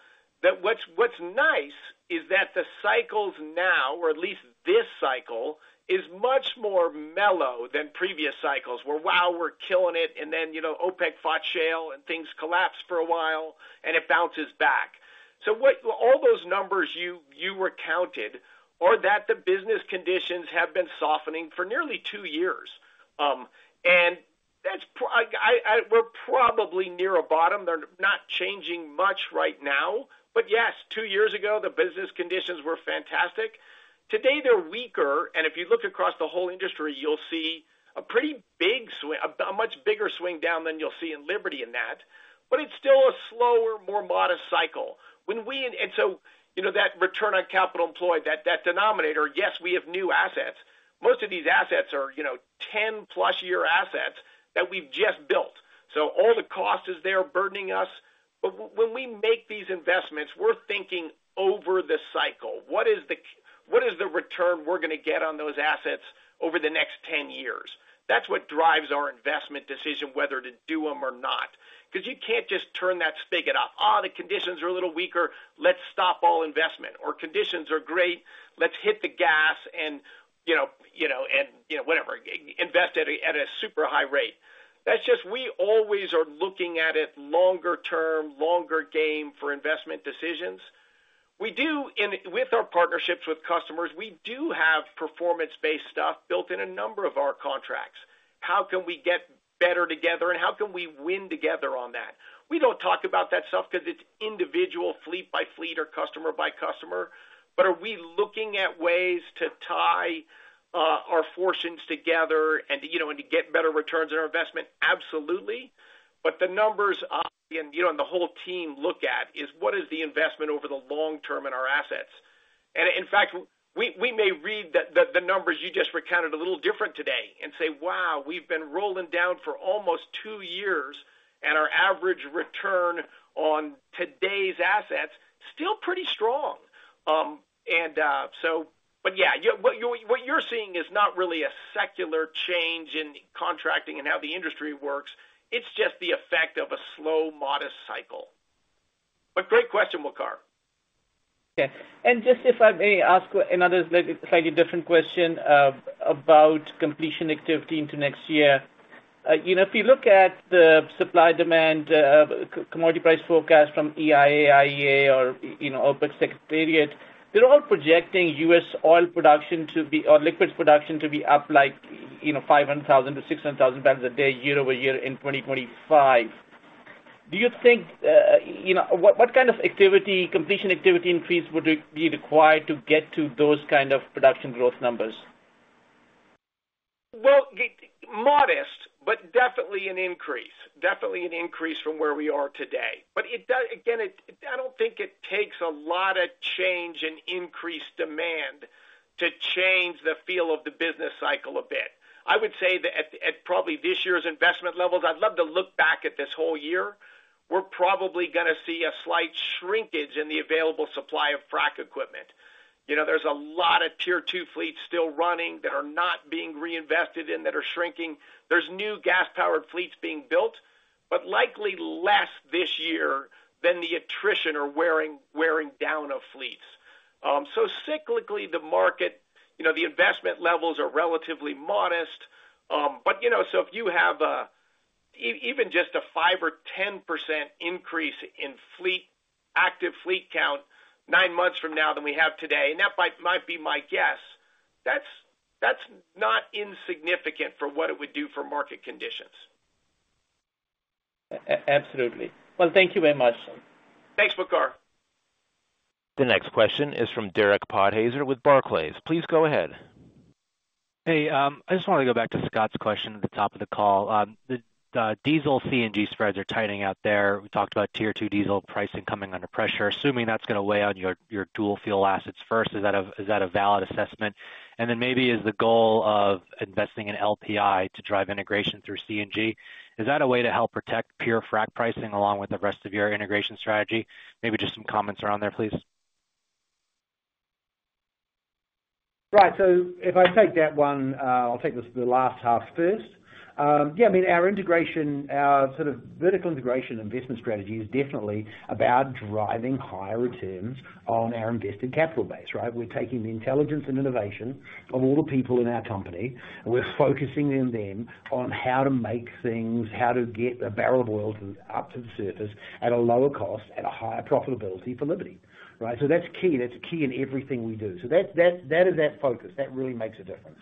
Speaker 3: what's nice is that the cycles now, or at least this cycle, is much more mellow than previous cycles, where, wow, we're killing it, and then, you know, OPEC fought shale and things collapsed for a while, and it bounces back. So, what all those numbers you recounted are that the business conditions have been softening for nearly two years. And that's. We're probably near a bottom. They're not changing much right now. But yes, two years ago, the business conditions were fantastic. Today, they're weaker, and if you look across the whole industry, you'll see a pretty big swing, a much bigger swing down than you'll see in Liberty in that, but it's still a slower, more modest cycle. And so, you know, that return on capital employed, that denominator, yes, we have new assets. Most of these assets are, you know, 10+ year assets that we've just built. So all the cost is there burdening us. But when we make these investments, we're thinking over the cycle. What is the return we're gonna get on those assets over the next 10 years? That's what drives our investment decision, whether to do them or not. Because you can't just turn that spigot off. Oh, the conditions are a little weaker, let's stop all investment, or conditions are great, let's hit the gas and, you know, you know, and, you know, whatever, invest at a, at a super high rate. That's just. We always are looking at it longer term, longer game for investment decisions. We do, in, with our partnerships with customers, we do have performance-based stuff built in a number of our contracts. How can we get better together, and how can we win together on that? We don't talk about that stuff because it's individual fleet by fleet or customer by customer. But are we looking at ways to tie our fortunes together and to, you know, and to get better returns on our investment? Absolutely. But the numbers, you know, the whole team look at, is what is the investment over the long term in our assets? And in fact, we may read the numbers you just recounted a little different today and say, "Wow, we've been rolling down for almost two years, and our average return on today's assets, still pretty strong." But yeah, what you're seeing is not really a secular change in contracting and how the industry works. It's just the effect of a slow, modest cycle. But great question, Waqar.
Speaker 11: Okay. And just if I may ask another slightly different question about completion activity into next year. You know, if you look at the supply-demand commodity price forecast from EIA, IEA or, you know, OPEC Secretariat, they're all projecting U.S. oil production to be, or liquids production to be up like, you know, 500,000-600,000 barrels a day year-over-year in 2025. Do you think, you know... What, what kind of activity, completion activity increase would be required to get to those kind of production growth numbers?
Speaker 3: Well, modest, but definitely an increase. Definitely an increase from where we are today. But it does, again, it, I don't think it takes a lot of change in increased demand to change the feel of the business cycle a bit. I would say that at probably this year's investment levels, I'd love to look back at this whole year. We're probably gonna see a slight shrinkage in the available supply of frac equipment. You know, there's a lot of Tier 2 fleets still running that are not being reinvested in, that are shrinking. There's new gas-powered fleets being built, but likely less this year than the attrition or wearing down of fleets. So cyclically, the market, you know, the investment levels are relatively modest. But, you know, so if you have even just a 5% or 10% increase in fleet active fleet count nine months from now than we have today, and that might be my guess, that's not insignificant for what it would do for market conditions.
Speaker 11: Absolutely. Well, thank you very much.
Speaker 3: Thanks, Waqar.
Speaker 1: The next question is from Derek Podhaizer with Barclays. Please go ahead.
Speaker 12: Hey, I just want to go back to Scott's question at the top of the call. The diesel CNG spreads are tightening out there. We talked about Tier 2 diesel pricing coming under pressure. Assuming that's gonna weigh on your dual fuel assets first, is that a valid assessment? And then maybe is the goal of investing in LPI to drive integration through CNG? Is that a way to help protect pure frac pricing along with the rest of your integration strategy? Maybe just some comments around there, please.
Speaker 4: Right. So if I take that one, I'll take this, the last half first. Yeah, I mean, our integration, our sort of vertical integration investment strategy is definitely about driving higher returns on our invested capital base, right? We're taking the intelligence and innovation of all the people in our company, and we're focusing in them on how to make things, how to get a barrel of oil to up to the surface at a lower cost, at a higher profitability for Liberty, right? So that's key. That's key in everything we do. So that, that, that is that focus. That really makes a difference,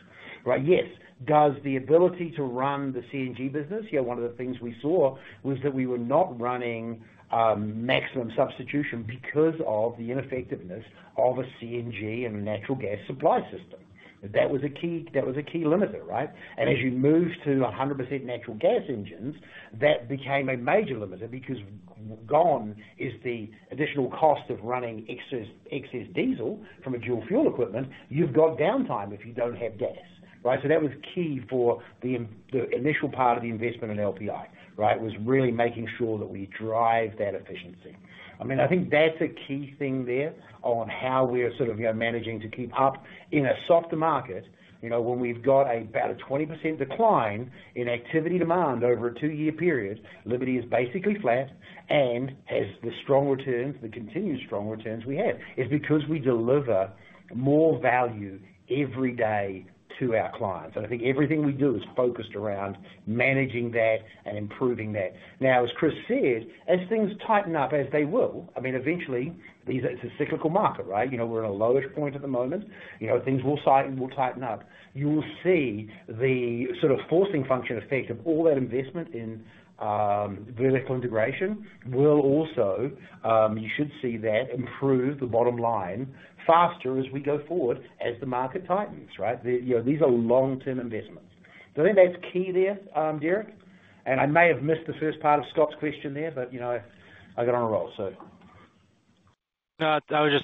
Speaker 4: right? Yes. Does the ability to run the CNG business? Yeah, one of the things we saw was that we were not running maximum substitution because of the ineffectiveness of a CNG and natural gas supply system. That was a key, that was a key limiter, right? And as you move to 100% natural gas engines, that became a major limiter because gone is the additional cost of running excess, excess diesel from a dual fuel equipment. You've got downtime if you don't have gas, right? So that was key for the initial part of the investment in LPI, right? Was really making sure that we drive that efficiency. I mean, I think that's a key thing there on how we are sort of, you know, managing to keep up in a softer market, you know, when we've got about a 20% decline in activity demand over a two-year period, Liberty is basically flat and has the continued strong returns, the continued strong returns we have. It's because we deliver more value every day to our clients, and I think everything we do is focused around managing that and improving that. Now, as Chris said, as things tighten up, as they will, I mean, eventually, it's a cyclical market, right? You know, we're at a lowest point at the moment. You know, things will tighten, will tighten up. You will see the sort of forcing function effect of all that investment in vertical integration will also, you should see that improve the bottom line faster as we go forward, as the market tightens, right? The, you know, these are long-term investments. So I think that's key there, Derek, and I may have missed the first part of Scott's question there, but, you know, I got on a roll, so.
Speaker 12: No, I was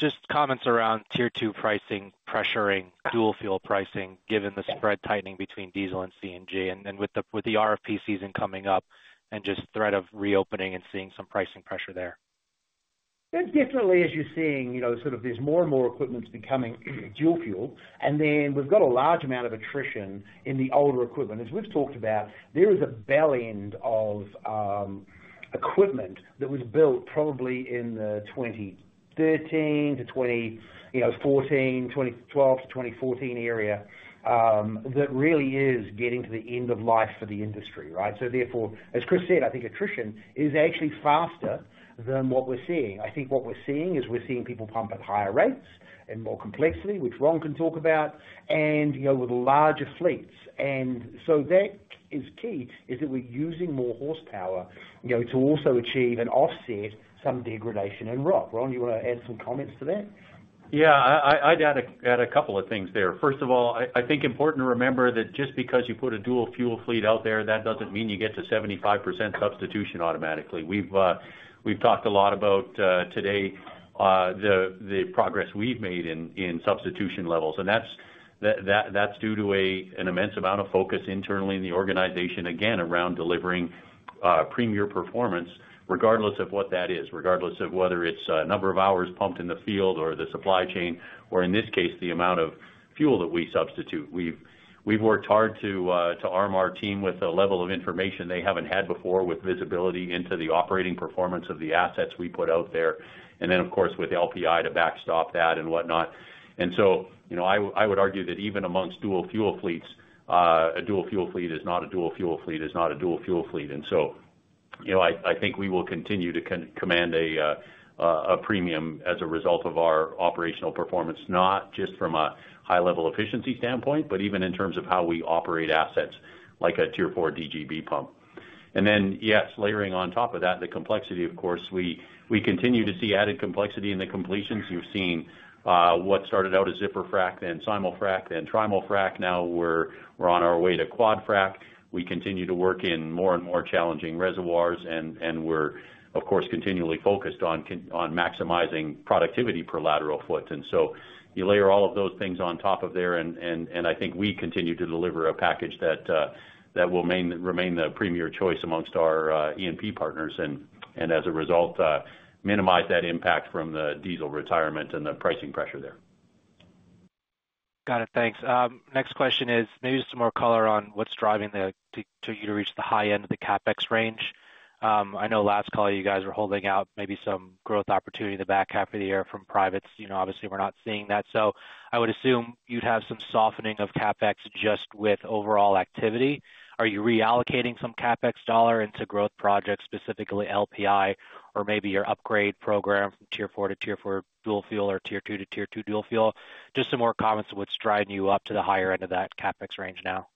Speaker 12: just comments around Tier 2 pricing pressuring dual fuel pricing, given the spread tightening between diesel and CNG, and then with the RFP season coming up and just threat of reopening and seeing some pricing pressure there....
Speaker 4: There's definitely, as you're seeing, you know, sort of there's more and more equipment becoming dual fuel, and then we've got a large amount of attrition in the older equipment. As we've talked about, there is a bell end of equipment that was built probably in the 2013-2014, you know, 2012-2014 area, that really is getting to the end of life for the industry, right? So therefore, as Chris said, I think attrition is actually faster than what we're seeing. I think what we're seeing is we're seeing people pump at higher rates and more complexity, which Ron can talk about, and, you know, with larger fleets. And so that is key, is that we're using more horsepower, you know, to also achieve and offset some degradation in rock. Ron, you want to add some comments to that?
Speaker 10: Yeah, I'd add a couple of things there. First of all, I think important to remember that just because you put a dual fuel fleet out there, that doesn't mean you get to 75% substitution automatically. We've talked a lot about today the progress we've made in substitution levels, and that's due to an immense amount of focus internally in the organization, again, around delivering premier performance, regardless of what that is, regardless of whether it's number of hours pumped in the field or the supply chain, or in this case, the amount of fuel that we substitute. We've worked hard to arm our team with a level of information they haven't had before, with visibility into the operating performance of the assets we put out there, and then, of course, with LPI to backstop that and whatnot. And so, you know, I would argue that even amongst dual fuel fleets, a dual fuel fleet is not a dual fuel fleet, is not a dual fuel fleet. And so, you know, I think we will continue to command a premium as a result of our operational performance, not just from a high-level efficiency standpoint, but even in terms of how we operate assets like a Tier 4 DGB pump. And then, yes, layering on top of that, the complexity, of course, we continue to see added complexity in the completions. You've seen what started out as zipper frac, then simul-frac, then trimul-frac. Now we're on our way to quad frac. We continue to work in more and more challenging reservoirs, and we're, of course, continually focused on maximizing productivity per lateral foot. So you layer all of those things on top of there, and I think we continue to deliver a package that will remain the premier choice amongst our E&P partners, and as a result, minimize that impact from the diesel retirement and the pricing pressure there.
Speaker 12: Got it. Thanks. Next question is maybe some more color on what's driving you to reach the high end of the CapEx range. I know last call, you guys were holding out maybe some growth opportunity in the back half of the year from privates. You know, obviously, we're not seeing that. So I would assume you'd have some softening of CapEx just with overall activity. Are you reallocating some CapEx dollar into growth projects, specifically LPI or maybe your upgrade program from Tier 4 to Tier 4 dual fuel or Tier 2 to Tier 2 dual fuel? Just some more comments on what's driving you up to the higher end of that CapEx range now.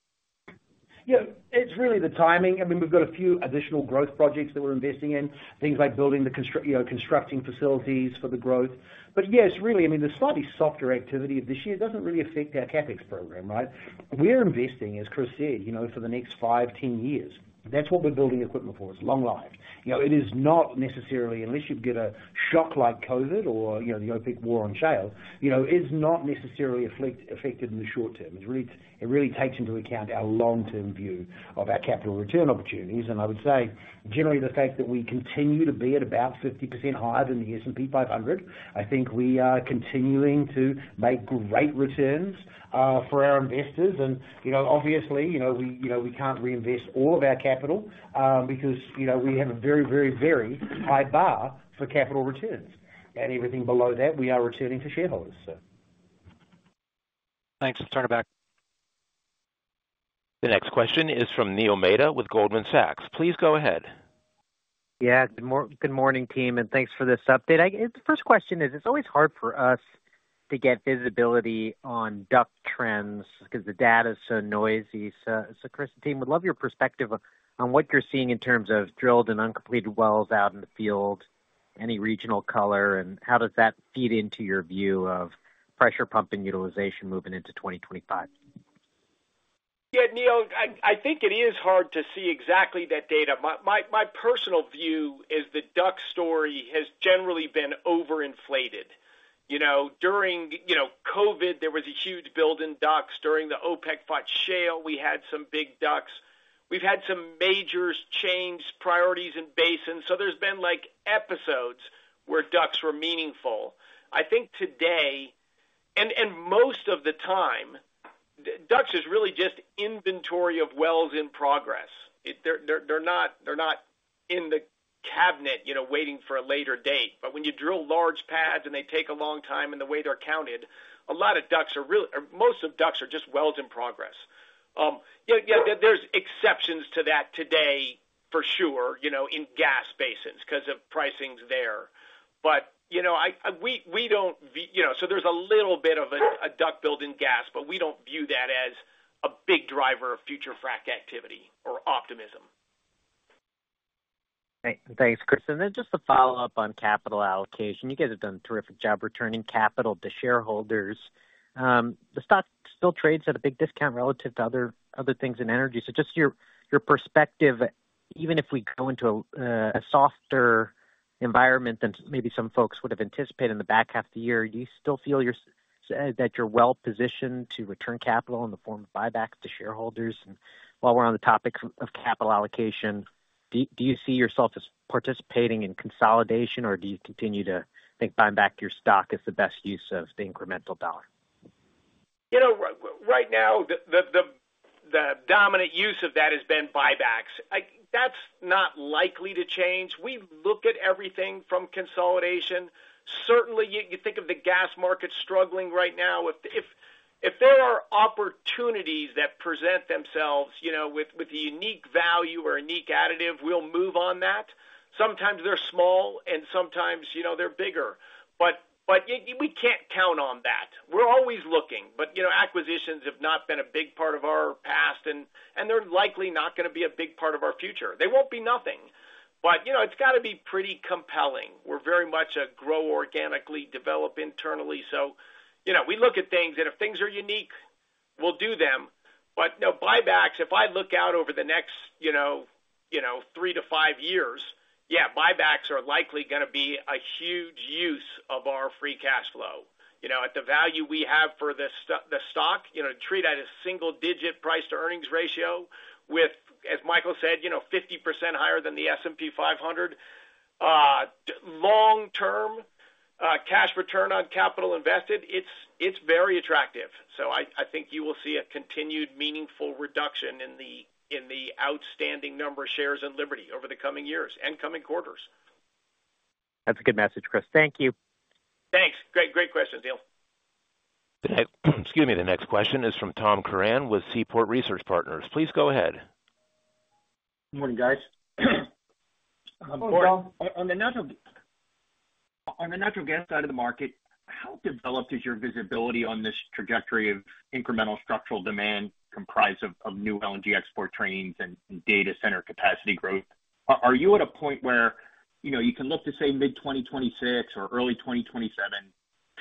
Speaker 4: Yeah, it's really the timing. I mean, we've got a few additional growth projects that we're investing in, things like you know, constructing facilities for the growth. But yes, really, I mean, the slightly softer activity of this year doesn't really affect our CapEx program, right? We're investing, as Chris said, you know, for the next five, 10 years. That's what we're building equipment for. It's long life. You know, it is not necessarily unless you get a shock like COVID or, you know, the OPEC war on shale, you know, is not necessarily affected in the short term. It really, it really takes into account our long-term view of our capital return opportunities. I would say, generally, the fact that we continue to be at about 50% higher than the S&P 500, I think we are continuing to make great returns for our investors. You know, obviously, you know, we, you know, we can't reinvest all of our capital, because, you know, we have a very, very, very high bar for capital returns, and everything below that, we are returning to shareholders, so.
Speaker 12: Thanks. Let's turn it back.
Speaker 1: The next question is from Neil Mehta with Goldman Sachs. Please go ahead.
Speaker 13: Yeah, good morning, team, and thanks for this update. The first question is, it's always hard for us to get visibility on DUC trends because the data is so noisy. So, Chris, the team would love your perspective on what you're seeing in terms of drilled and uncompleted wells out in the field, any regional color, and how does that feed into your view of pressure pumping utilization moving into 2025?
Speaker 3: Yeah, Neil, I think it is hard to see exactly that data. My personal view is the DUC story has generally been overinflated. You know, during COVID, there was a huge build in DUCs. During the OPEC fought shale, we had some big DUCs. We've had some majors change priorities and basins, so there's been, like, episodes where DUCs were meaningful. I think today, and most of the time, DUCs is really just inventory of wells in progress. They're not in the can, you know, waiting for a later date. But when you drill large pads and they take a long time, and the way they're counted, a lot of DUCs are really... Most of DUCs are just wells in progress. Yeah, yeah, there's exceptions to that today for sure, you know, in gas basins, because of pricings there. But, you know, we don't view you know, so there's a little bit of a DUC build in gas, but we don't view that as a big driver of future frac activity or optimism.
Speaker 13: Great. Thanks, Chris. Then just to follow up on capital allocation. You guys have done a terrific job returning capital to shareholders. The stock still trades at a big discount relative to other, other things in energy. So just your, your perspective, even if we go into a softer environment than maybe some folks would have anticipated in the back half of the year, do you still feel that you're well-positioned to return capital in the form of buybacks to shareholders. And while we're on the topic of capital allocation, do you see yourself as participating in consolidation, or do you continue to think buying back your stock is the best use of the incremental dollar?
Speaker 3: You know, right now, the dominant use of that has been buybacks. That's not likely to change. We've looked at everything from consolidation. Certainly, you think of the gas market struggling right now. If there are opportunities that present themselves, you know, with a unique value or a unique additive, we'll move on that. Sometimes they're small, and sometimes, you know, they're bigger. But we can't count on that. We're always looking. But, you know, acquisitions have not been a big part of our past, and they're likely not gonna be a big part of our future. They won't be nothing, but, you know, it's got to be pretty compelling. We're very much a grow organically, develop internally. So, you know, we look at things, and if things are unique, we'll do them. But, you know, buybacks, if I look out over the next, you know, you know, three to five years, yeah, buybacks are likely gonna be a huge use of our free cash flow. You know, at the value we have for the stock, you know, trade at a single-digit price-to-earnings ratio with, as Michael said, you know, 50% higher than the S&P 500. Long term, cash return on capital invested, it's very attractive. So I think you will see a continued meaningful reduction in the outstanding number of shares in Liberty over the coming years and coming quarters.
Speaker 13: That's a good message, Chris. Thank you.
Speaker 3: Thanks. Great, great question, Neil.
Speaker 1: Excuse me. The next question is from Tom Curran with Seaport Research Partners. Please go ahead.
Speaker 14: Good morning, guys.
Speaker 3: Hello, Tom.
Speaker 14: On the natural gas side of the market, how developed is your visibility on this trajectory of incremental structural demand comprised of new LNG export trains and data center capacity growth? Are you at a point where, you know, you can look to, say, mid-2026 or early 2027,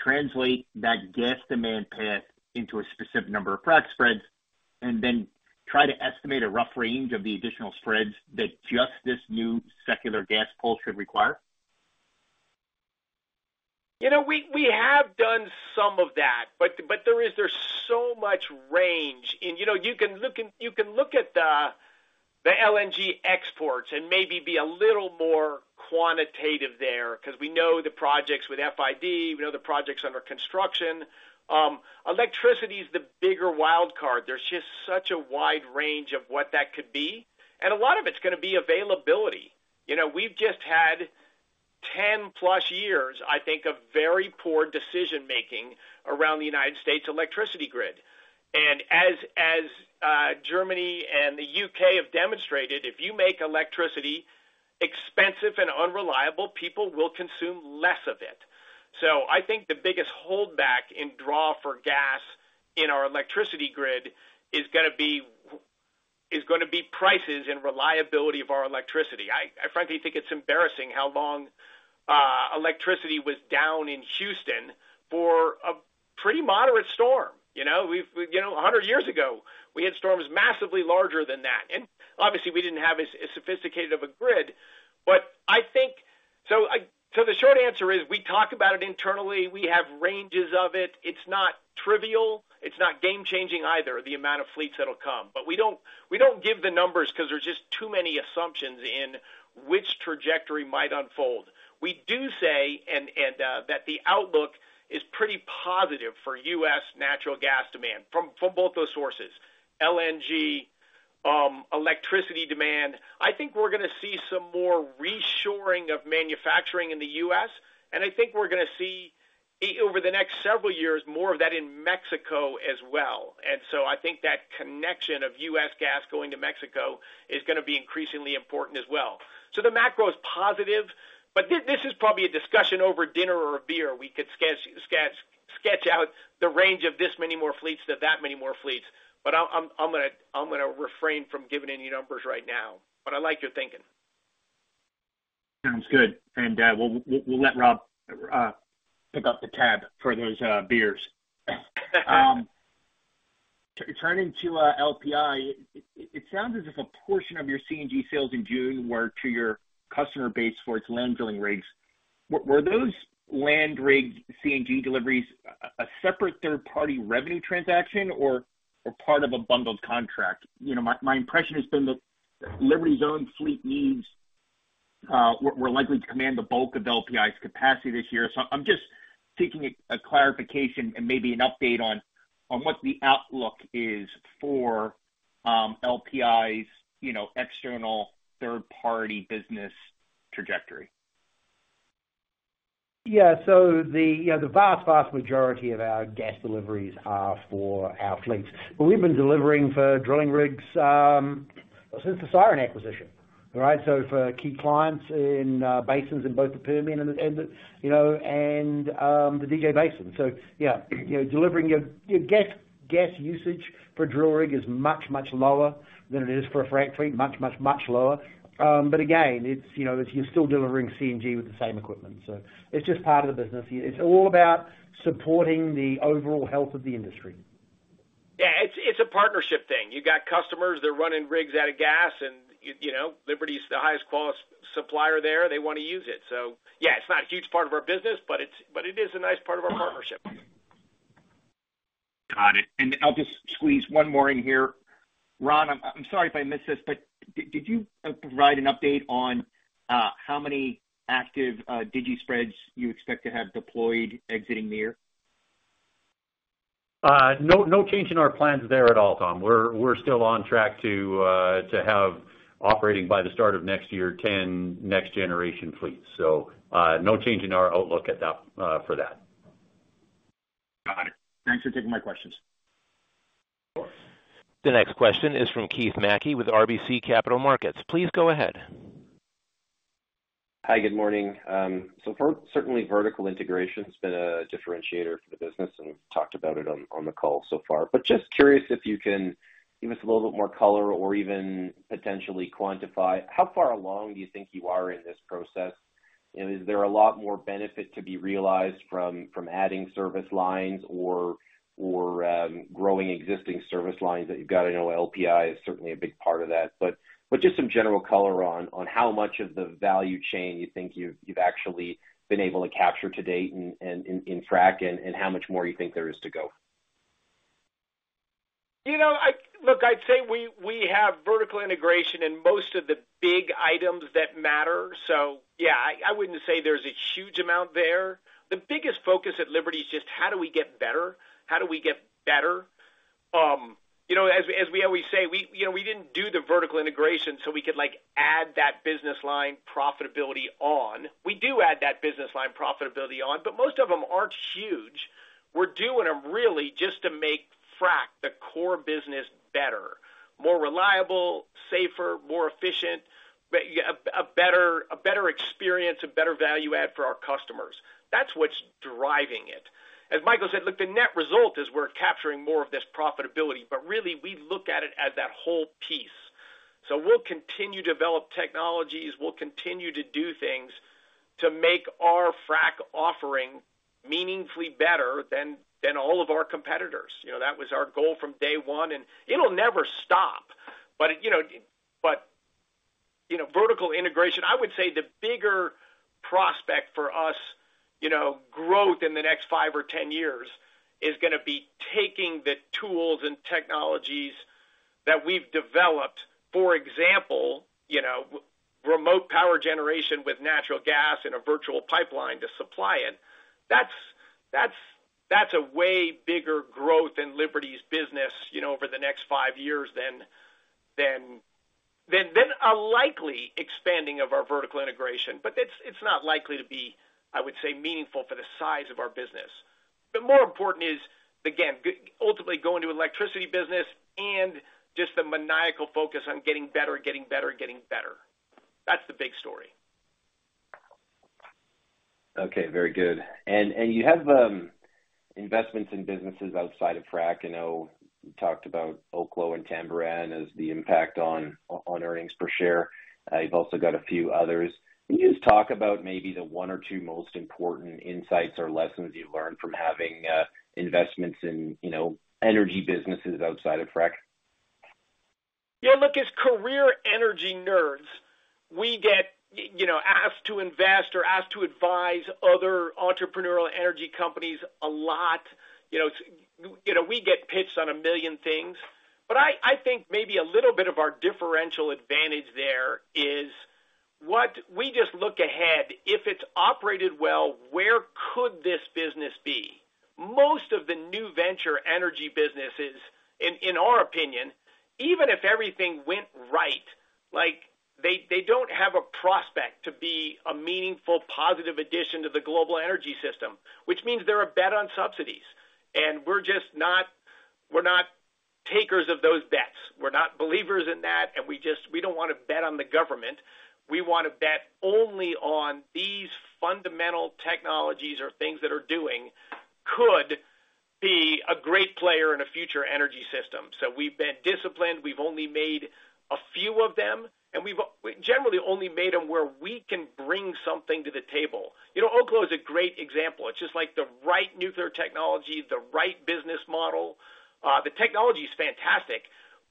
Speaker 14: translate that gas demand path into a specific number of frac spreads, and then try to estimate a rough range of the additional spreads that just this new secular gas pool should require?
Speaker 3: You know, we have done some of that, but there is... There's so much range, and, you know, you can look at the LNG exports and maybe be a little more quantitative there because we know the projects with FID, we know the projects under construction. Electricity is the bigger wild card. There's just such a wide range of what that could be, and a lot of it's gonna be availability. You know, we've just had 10+ years, I think, of very poor decision-making around the United States electricity grid. And as Germany and the U.K. have demonstrated, if you make electricity expensive and unreliable, people will consume less of it. So I think the biggest holdback in draw for gas in our electricity grid is gonna be prices and reliability of our electricity. I frankly think it's embarrassing how long electricity was down in Houston for a pretty moderate storm. You know, we've, you know, 100 years ago, we had storms massively larger than that, and obviously, we didn't have as sophisticated of a grid. But I think... So the short answer is, we talk about it internally. We have ranges of it. It's not trivial. It's not game changing either, the amount of fleets that'll come. But we don't, we don't give the numbers because there's just too many assumptions in which trajectory might unfold. We do say, and, and, that the outlook is pretty positive for U.S. natural gas demand from, from both those sources: LNG, electricity demand. I think we're gonna see some more reshoring of manufacturing in the U.S., and I think we're gonna see, over the next several years, more of that in Mexico as well. And so I think that connection of U.S. gas going to Mexico is gonna be increasingly important as well. So the macro is positive, but this, this is probably a discussion over dinner or a beer. We could sketch, sketch, sketch out the range of this many more fleets to that many more fleets. But I'm, I'm, I'm gonna, I'm gonna refrain from giving any numbers right now, but I like your thinking.
Speaker 14: Sounds good. We'll let Rob pick up the tab for those beers. Turning to LPI, it sounds as if a portion of your CNG sales in June were to your customer base for its land drilling rigs. Were those land rig CNG deliveries a separate third-party revenue transaction or part of a bundled contract? You know, my impression has been the Liberty's own fleet needs were likely to command the bulk of LPI's capacity this year. I'm just seeking a clarification and maybe an update on what the outlook is for LPI's external third-party business trajectory.
Speaker 4: Yeah, so the, you know, the vast, vast majority of our gas deliveries are for our fleets. But we've been delivering for drilling rigs, since the Siren acquisition, right? So for key clients in, basins in both the Permian and the, and the, you know, and, the DJ Basin. So, yeah, you know, delivering your, your gas, gas usage for drill rig is much, much, much lower than it is for a frac fleet. Much, much, much lower. But again, it's, you know, you're still delivering CNG with the same equipment, so it's just part of the business. It's all about supporting the overall health of the industry....
Speaker 3: Yeah, it's a partnership thing. You've got customers, they're running rigs out of gas, and you know, Liberty's the highest quality supplier there. They wanna use it. So yeah, it's not a huge part of our business, but it is a nice part of our partnership.
Speaker 14: Got it. And I'll just squeeze one more in here. Ron, I'm sorry if I missed this, but did you provide an update on how many active digi spreads you expect to have deployed exiting the year?
Speaker 10: No, no change in our plans there at all, Tom. We're, we're still on track to, to have operating by the start of next year, 10 next generation fleets. So, no change in our outlook at that, for that.
Speaker 14: Got it. Thanks for taking my questions.
Speaker 10: Of course.
Speaker 1: The next question is from Keith Mackey with RBC Capital Markets. Please go ahead.
Speaker 15: Hi, good morning. So far, certainly, vertical integration has been a differentiator for the business, and we've talked about it on the call so far. But just curious if you can give us a little bit more color or even potentially quantify how far along do you think you are in this process? And is there a lot more benefit to be realized from adding service lines or growing existing service lines that you've got? I know LPI is certainly a big part of that, but just some general color on how much of the value chain you think you've actually been able to capture to date and in frac, and how much more you think there is to go.
Speaker 3: You know, I look, I'd say we have vertical integration in most of the big items that matter. So yeah, I wouldn't say there's a huge amount there. The biggest focus at Liberty is just how do we get better? How do we get better? You know, as we always say, we didn't do the vertical integration, so we could, like, add that business line profitability on. We do add that business line profitability on, but most of them aren't huge. We're doing them really just to make frac the core business better, more reliable, safer, more efficient, but a better experience, a better value add for our customers. That's what's driving it. As Michael said, look, the net result is we're capturing more of this profitability, but really, we look at it as that whole piece. So we'll continue to develop technologies, we'll continue to do things to make our frac offering meaningfully better than all of our competitors. You know, that was our goal from day one, and it'll never stop. But, you know, vertical integration, I would say the bigger prospect for us, you know, growth in the next five or 10 years, is gonna be taking the tools and technologies that we've developed, for example, you know, with remote power generation with natural gas and a virtual pipeline to supply it. That's a way bigger growth in Liberty's business, you know, over the next five years than a likely expanding of our vertical integration. But it's not likely to be, I would say, meaningful for the size of our business. But more important is, again, ultimately going to electricity business and just the maniacal focus on getting better, getting better, getting better. That's the big story.
Speaker 15: Okay, very good. And you have investments in businesses outside of frac. I know you talked about Oklo and Tamboran as the impact on earnings per share. You've also got a few others. Can you just talk about maybe the one or two most important insights or lessons you've learned from having investments in, you know, energy businesses outside of frac?
Speaker 3: Yeah, look, as career energy nerds, we get, you know, asked to invest or asked to advise other entrepreneurial energy companies a lot. You know, you know, we get pitched on a million things, but I, I think maybe a little bit of our differential advantage there is what... We just look ahead, if it's operated well, where could this business be? Most of the new venture energy businesses, in, in our opinion, even if everything went right, like, they, they don't have a prospect to be a meaningful, positive addition to the global energy system, which means they're a bet on subsidies, and we're just not-- we're not takers of those bets. We're not believers in that, and we just-- we don't want to bet on the government. We want to bet only on these fundamental technologies or things that are doing, could be a great player in a future energy system. So we've been disciplined. We've only made a few of them, and we've we generally only made them where we can bring something to the table. You know, Oklo is a great example. It's just like the right nuclear technology, the right business model. The technology is fantastic,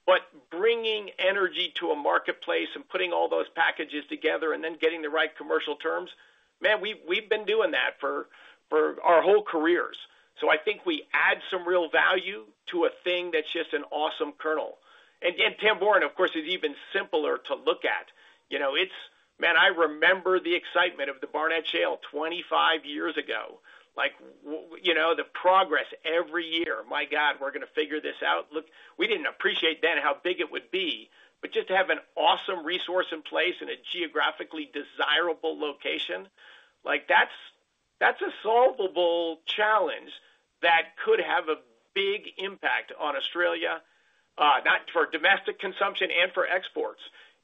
Speaker 3: but bringing energy to a marketplace and putting all those packages together and then getting the right commercial terms, man, we've, we've been doing that for, for our whole careers. So I think we add some real value to a thing that's just an awesome kernel. And, and Tamboran, of course, is even simpler to look at. You know, it's... Man, I remember the excitement of the Barnett Shale 25 years ago. Like, you know, the progress every year, my God, we're gonna figure this out. Look, we didn't appreciate then how big it would be, but just to have an awesome resource in place in a geographically desirable location, like, that's, that's a solvable challenge that could have a big impact on Australia, not for domestic consumption and for exports.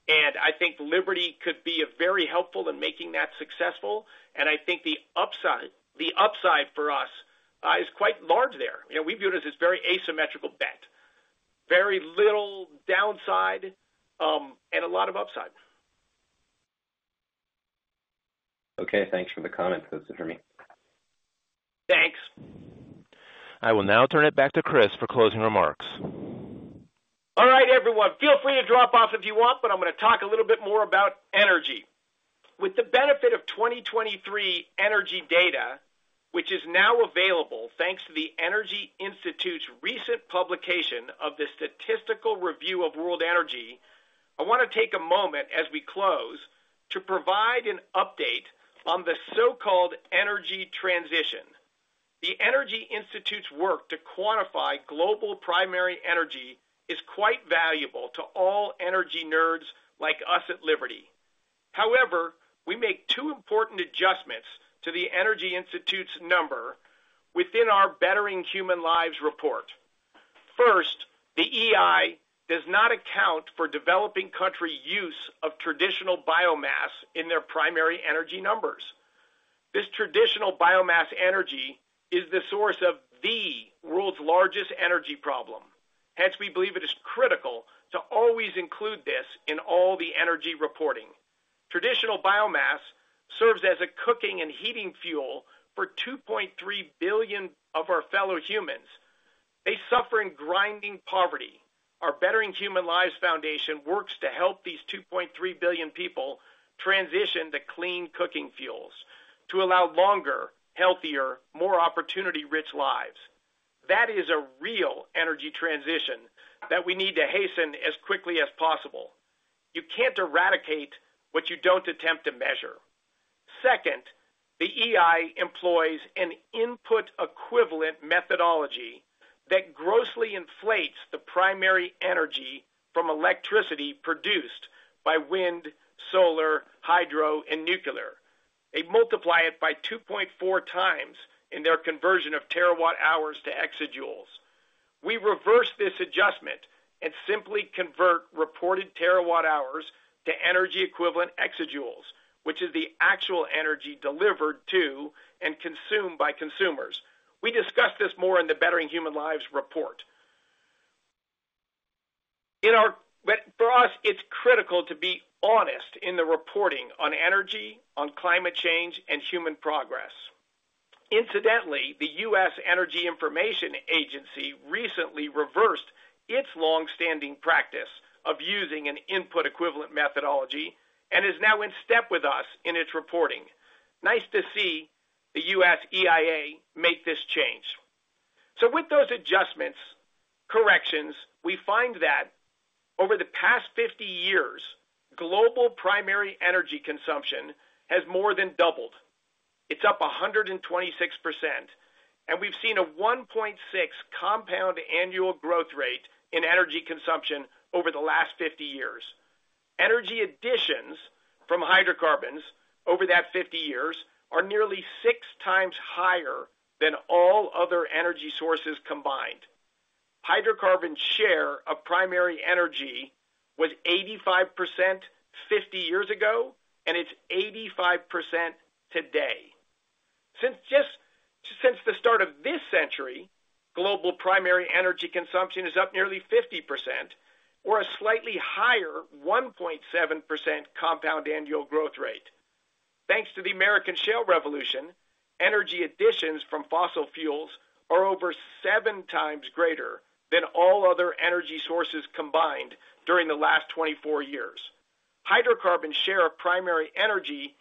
Speaker 3: And I think Liberty could be, very helpful in making that successful, and I think the upside, the upside for us, is quite large there. You know, we view it as this very asymmetrical bet. Very little downside, and a lot of upside.
Speaker 15: Okay, thanks for the comments, that's it for me.
Speaker 3: Thanks.
Speaker 1: I will now turn it back to Chris for closing remarks.
Speaker 3: All right, everyone, feel free to drop off if you want, but I'm gonna talk a little bit more about energy. With the benefit of 2023 energy data, which is now available, thanks to the Energy Institute's recent publication of the Statistical Review of World Energy, I wanna take a moment as we close, to provide an update on the so-called energy transition. The Energy Institute's work to quantify global primary energy is quite valuable to all energy nerds like us at Liberty. However, we make two important adjustments to the Energy Institute's number within our Bettering Human Lives report. First, the EI does not account for developing country use of traditional biomass in their primary energy numbers. This traditional biomass energy is the source of the world's largest energy problem. Hence, we believe it is critical to always include this in all the energy reporting. Traditional biomass serves as a cooking and heating fuel for 2.3 billion of our fellow humans. They suffer in grinding poverty. Our Bettering Human Lives Foundation works to help these 2.3 billion people transition to clean cooking fuels to allow longer, healthier, more opportunity-rich lives. That is a real energy transition that we need to hasten as quickly as possible. You can't eradicate what you don't attempt to measure. Second, the EI employs an input equivalent methodology that grossly inflates the primary energy from electricity produced by wind, solar, hydro, and nuclear. They multiply it by 2.4x in their conversion of terawatt hours to exajoules. We reverse this adjustment and simply convert reported terawatt hours to energy equivalent exajoules, which is the actual energy delivered to and consumed by consumers. We discussed this more in the Bettering Human Lives report. But for us, it's critical to be honest in the reporting on energy, on climate change, and human progress. Incidentally, the U.S. Energy Information Administration recently reversed its long-standing practice of using an input equivalent methodology and is now in step with us in its reporting. Nice to see the US EIA make this change. So with those adjustments, corrections, we find that over the past 50 years, global primary energy consumption has more than doubled. It's up 126%, and we've seen a 1.6 compound annual growth rate in energy consumption over the last 50 years. Energy additions from hydrocarbons over that 50 years are nearly 6x higher than all other energy sources combined. Hydrocarbon share of primary energy was 85% 50 years ago, and it's 85% today. Since the start of this century, global primary energy consumption is up nearly 50% or a slightly higher 1.7% compound annual growth rate. Thanks to the American Shale Revolution, energy additions from fossil fuels are over 7x greater than all other energy sources combined during the last 24 years. Hydrocarbon share of primary energy,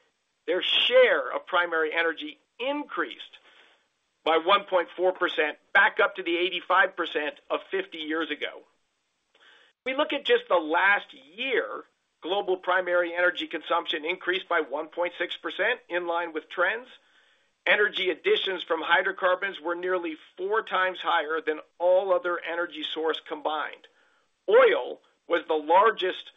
Speaker 3: their share of primary energy increased by 1.4% back up to the 85% of 50 years ago. We look at just the last year, global primary energy consumption increased by 1.6% in line with trends. Energy additions from hydrocarbons were nearly 4x higher than all other energy source combined. Oil was the largest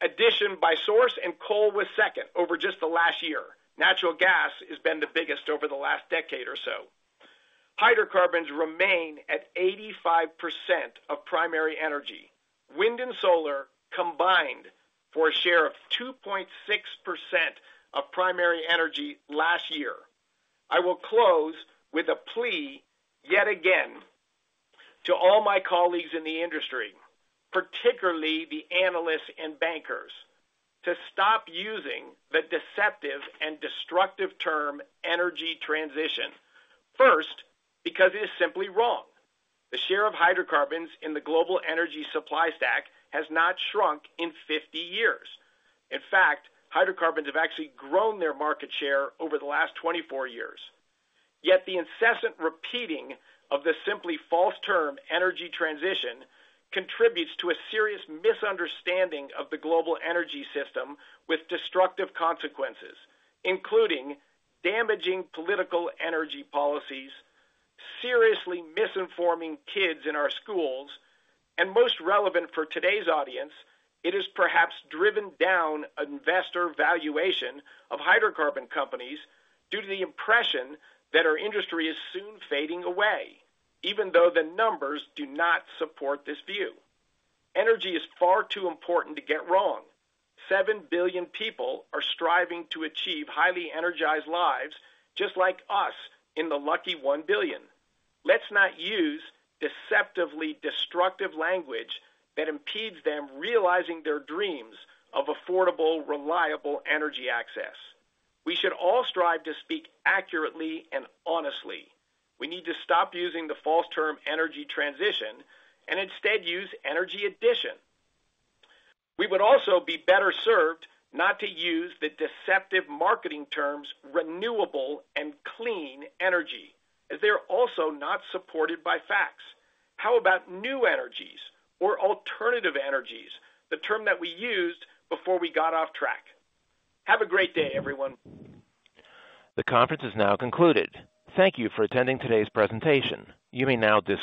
Speaker 3: addition by source, and coal was second over just the last year. Natural gas has been the biggest over the last decade or so. Hydrocarbons remain at 85% of primary energy. Wind and solar combined for a share of 2.6% of primary energy last year. I will close with a plea, yet again, to all my colleagues in the industry, particularly the analysts and bankers, to stop using the deceptive and destructive term, energy transition. First, because it is simply wrong. The share of hydrocarbons in the global energy supply stack has not shrunk in 50 years. In fact, hydrocarbons have actually grown their market share over the last 24 years. Yet the incessant repeating of the simply false term, energy transition, contributes to a serious misunderstanding of the global energy system with destructive consequences, including damaging political energy policies, seriously misinforming kids in our schools, and most relevant for today's audience, it has perhaps driven down investor valuation of hydrocarbon companies due to the impression that our industry is soon fading away, even though the numbers do not support this view. Energy is far too important to get wrong. 7 billion people are striving to achieve highly energized lives just like us in the lucky 1 billion. Let's not use deceptively destructive language that impedes them realizing their dreams of affordable, reliable energy access. We should all strive to speak accurately and honestly. We need to stop using the false term, energy transition, and instead use energy addition. We would also be better served not to use the deceptive marketing terms, renewable and clean energy, as they're also not supported by facts. How about new energies or alternative energies, the term that we used before we got off track? Have a great day, everyone.
Speaker 1: The conference is now concluded. Thank you for attending today's presentation. You may now disconnect.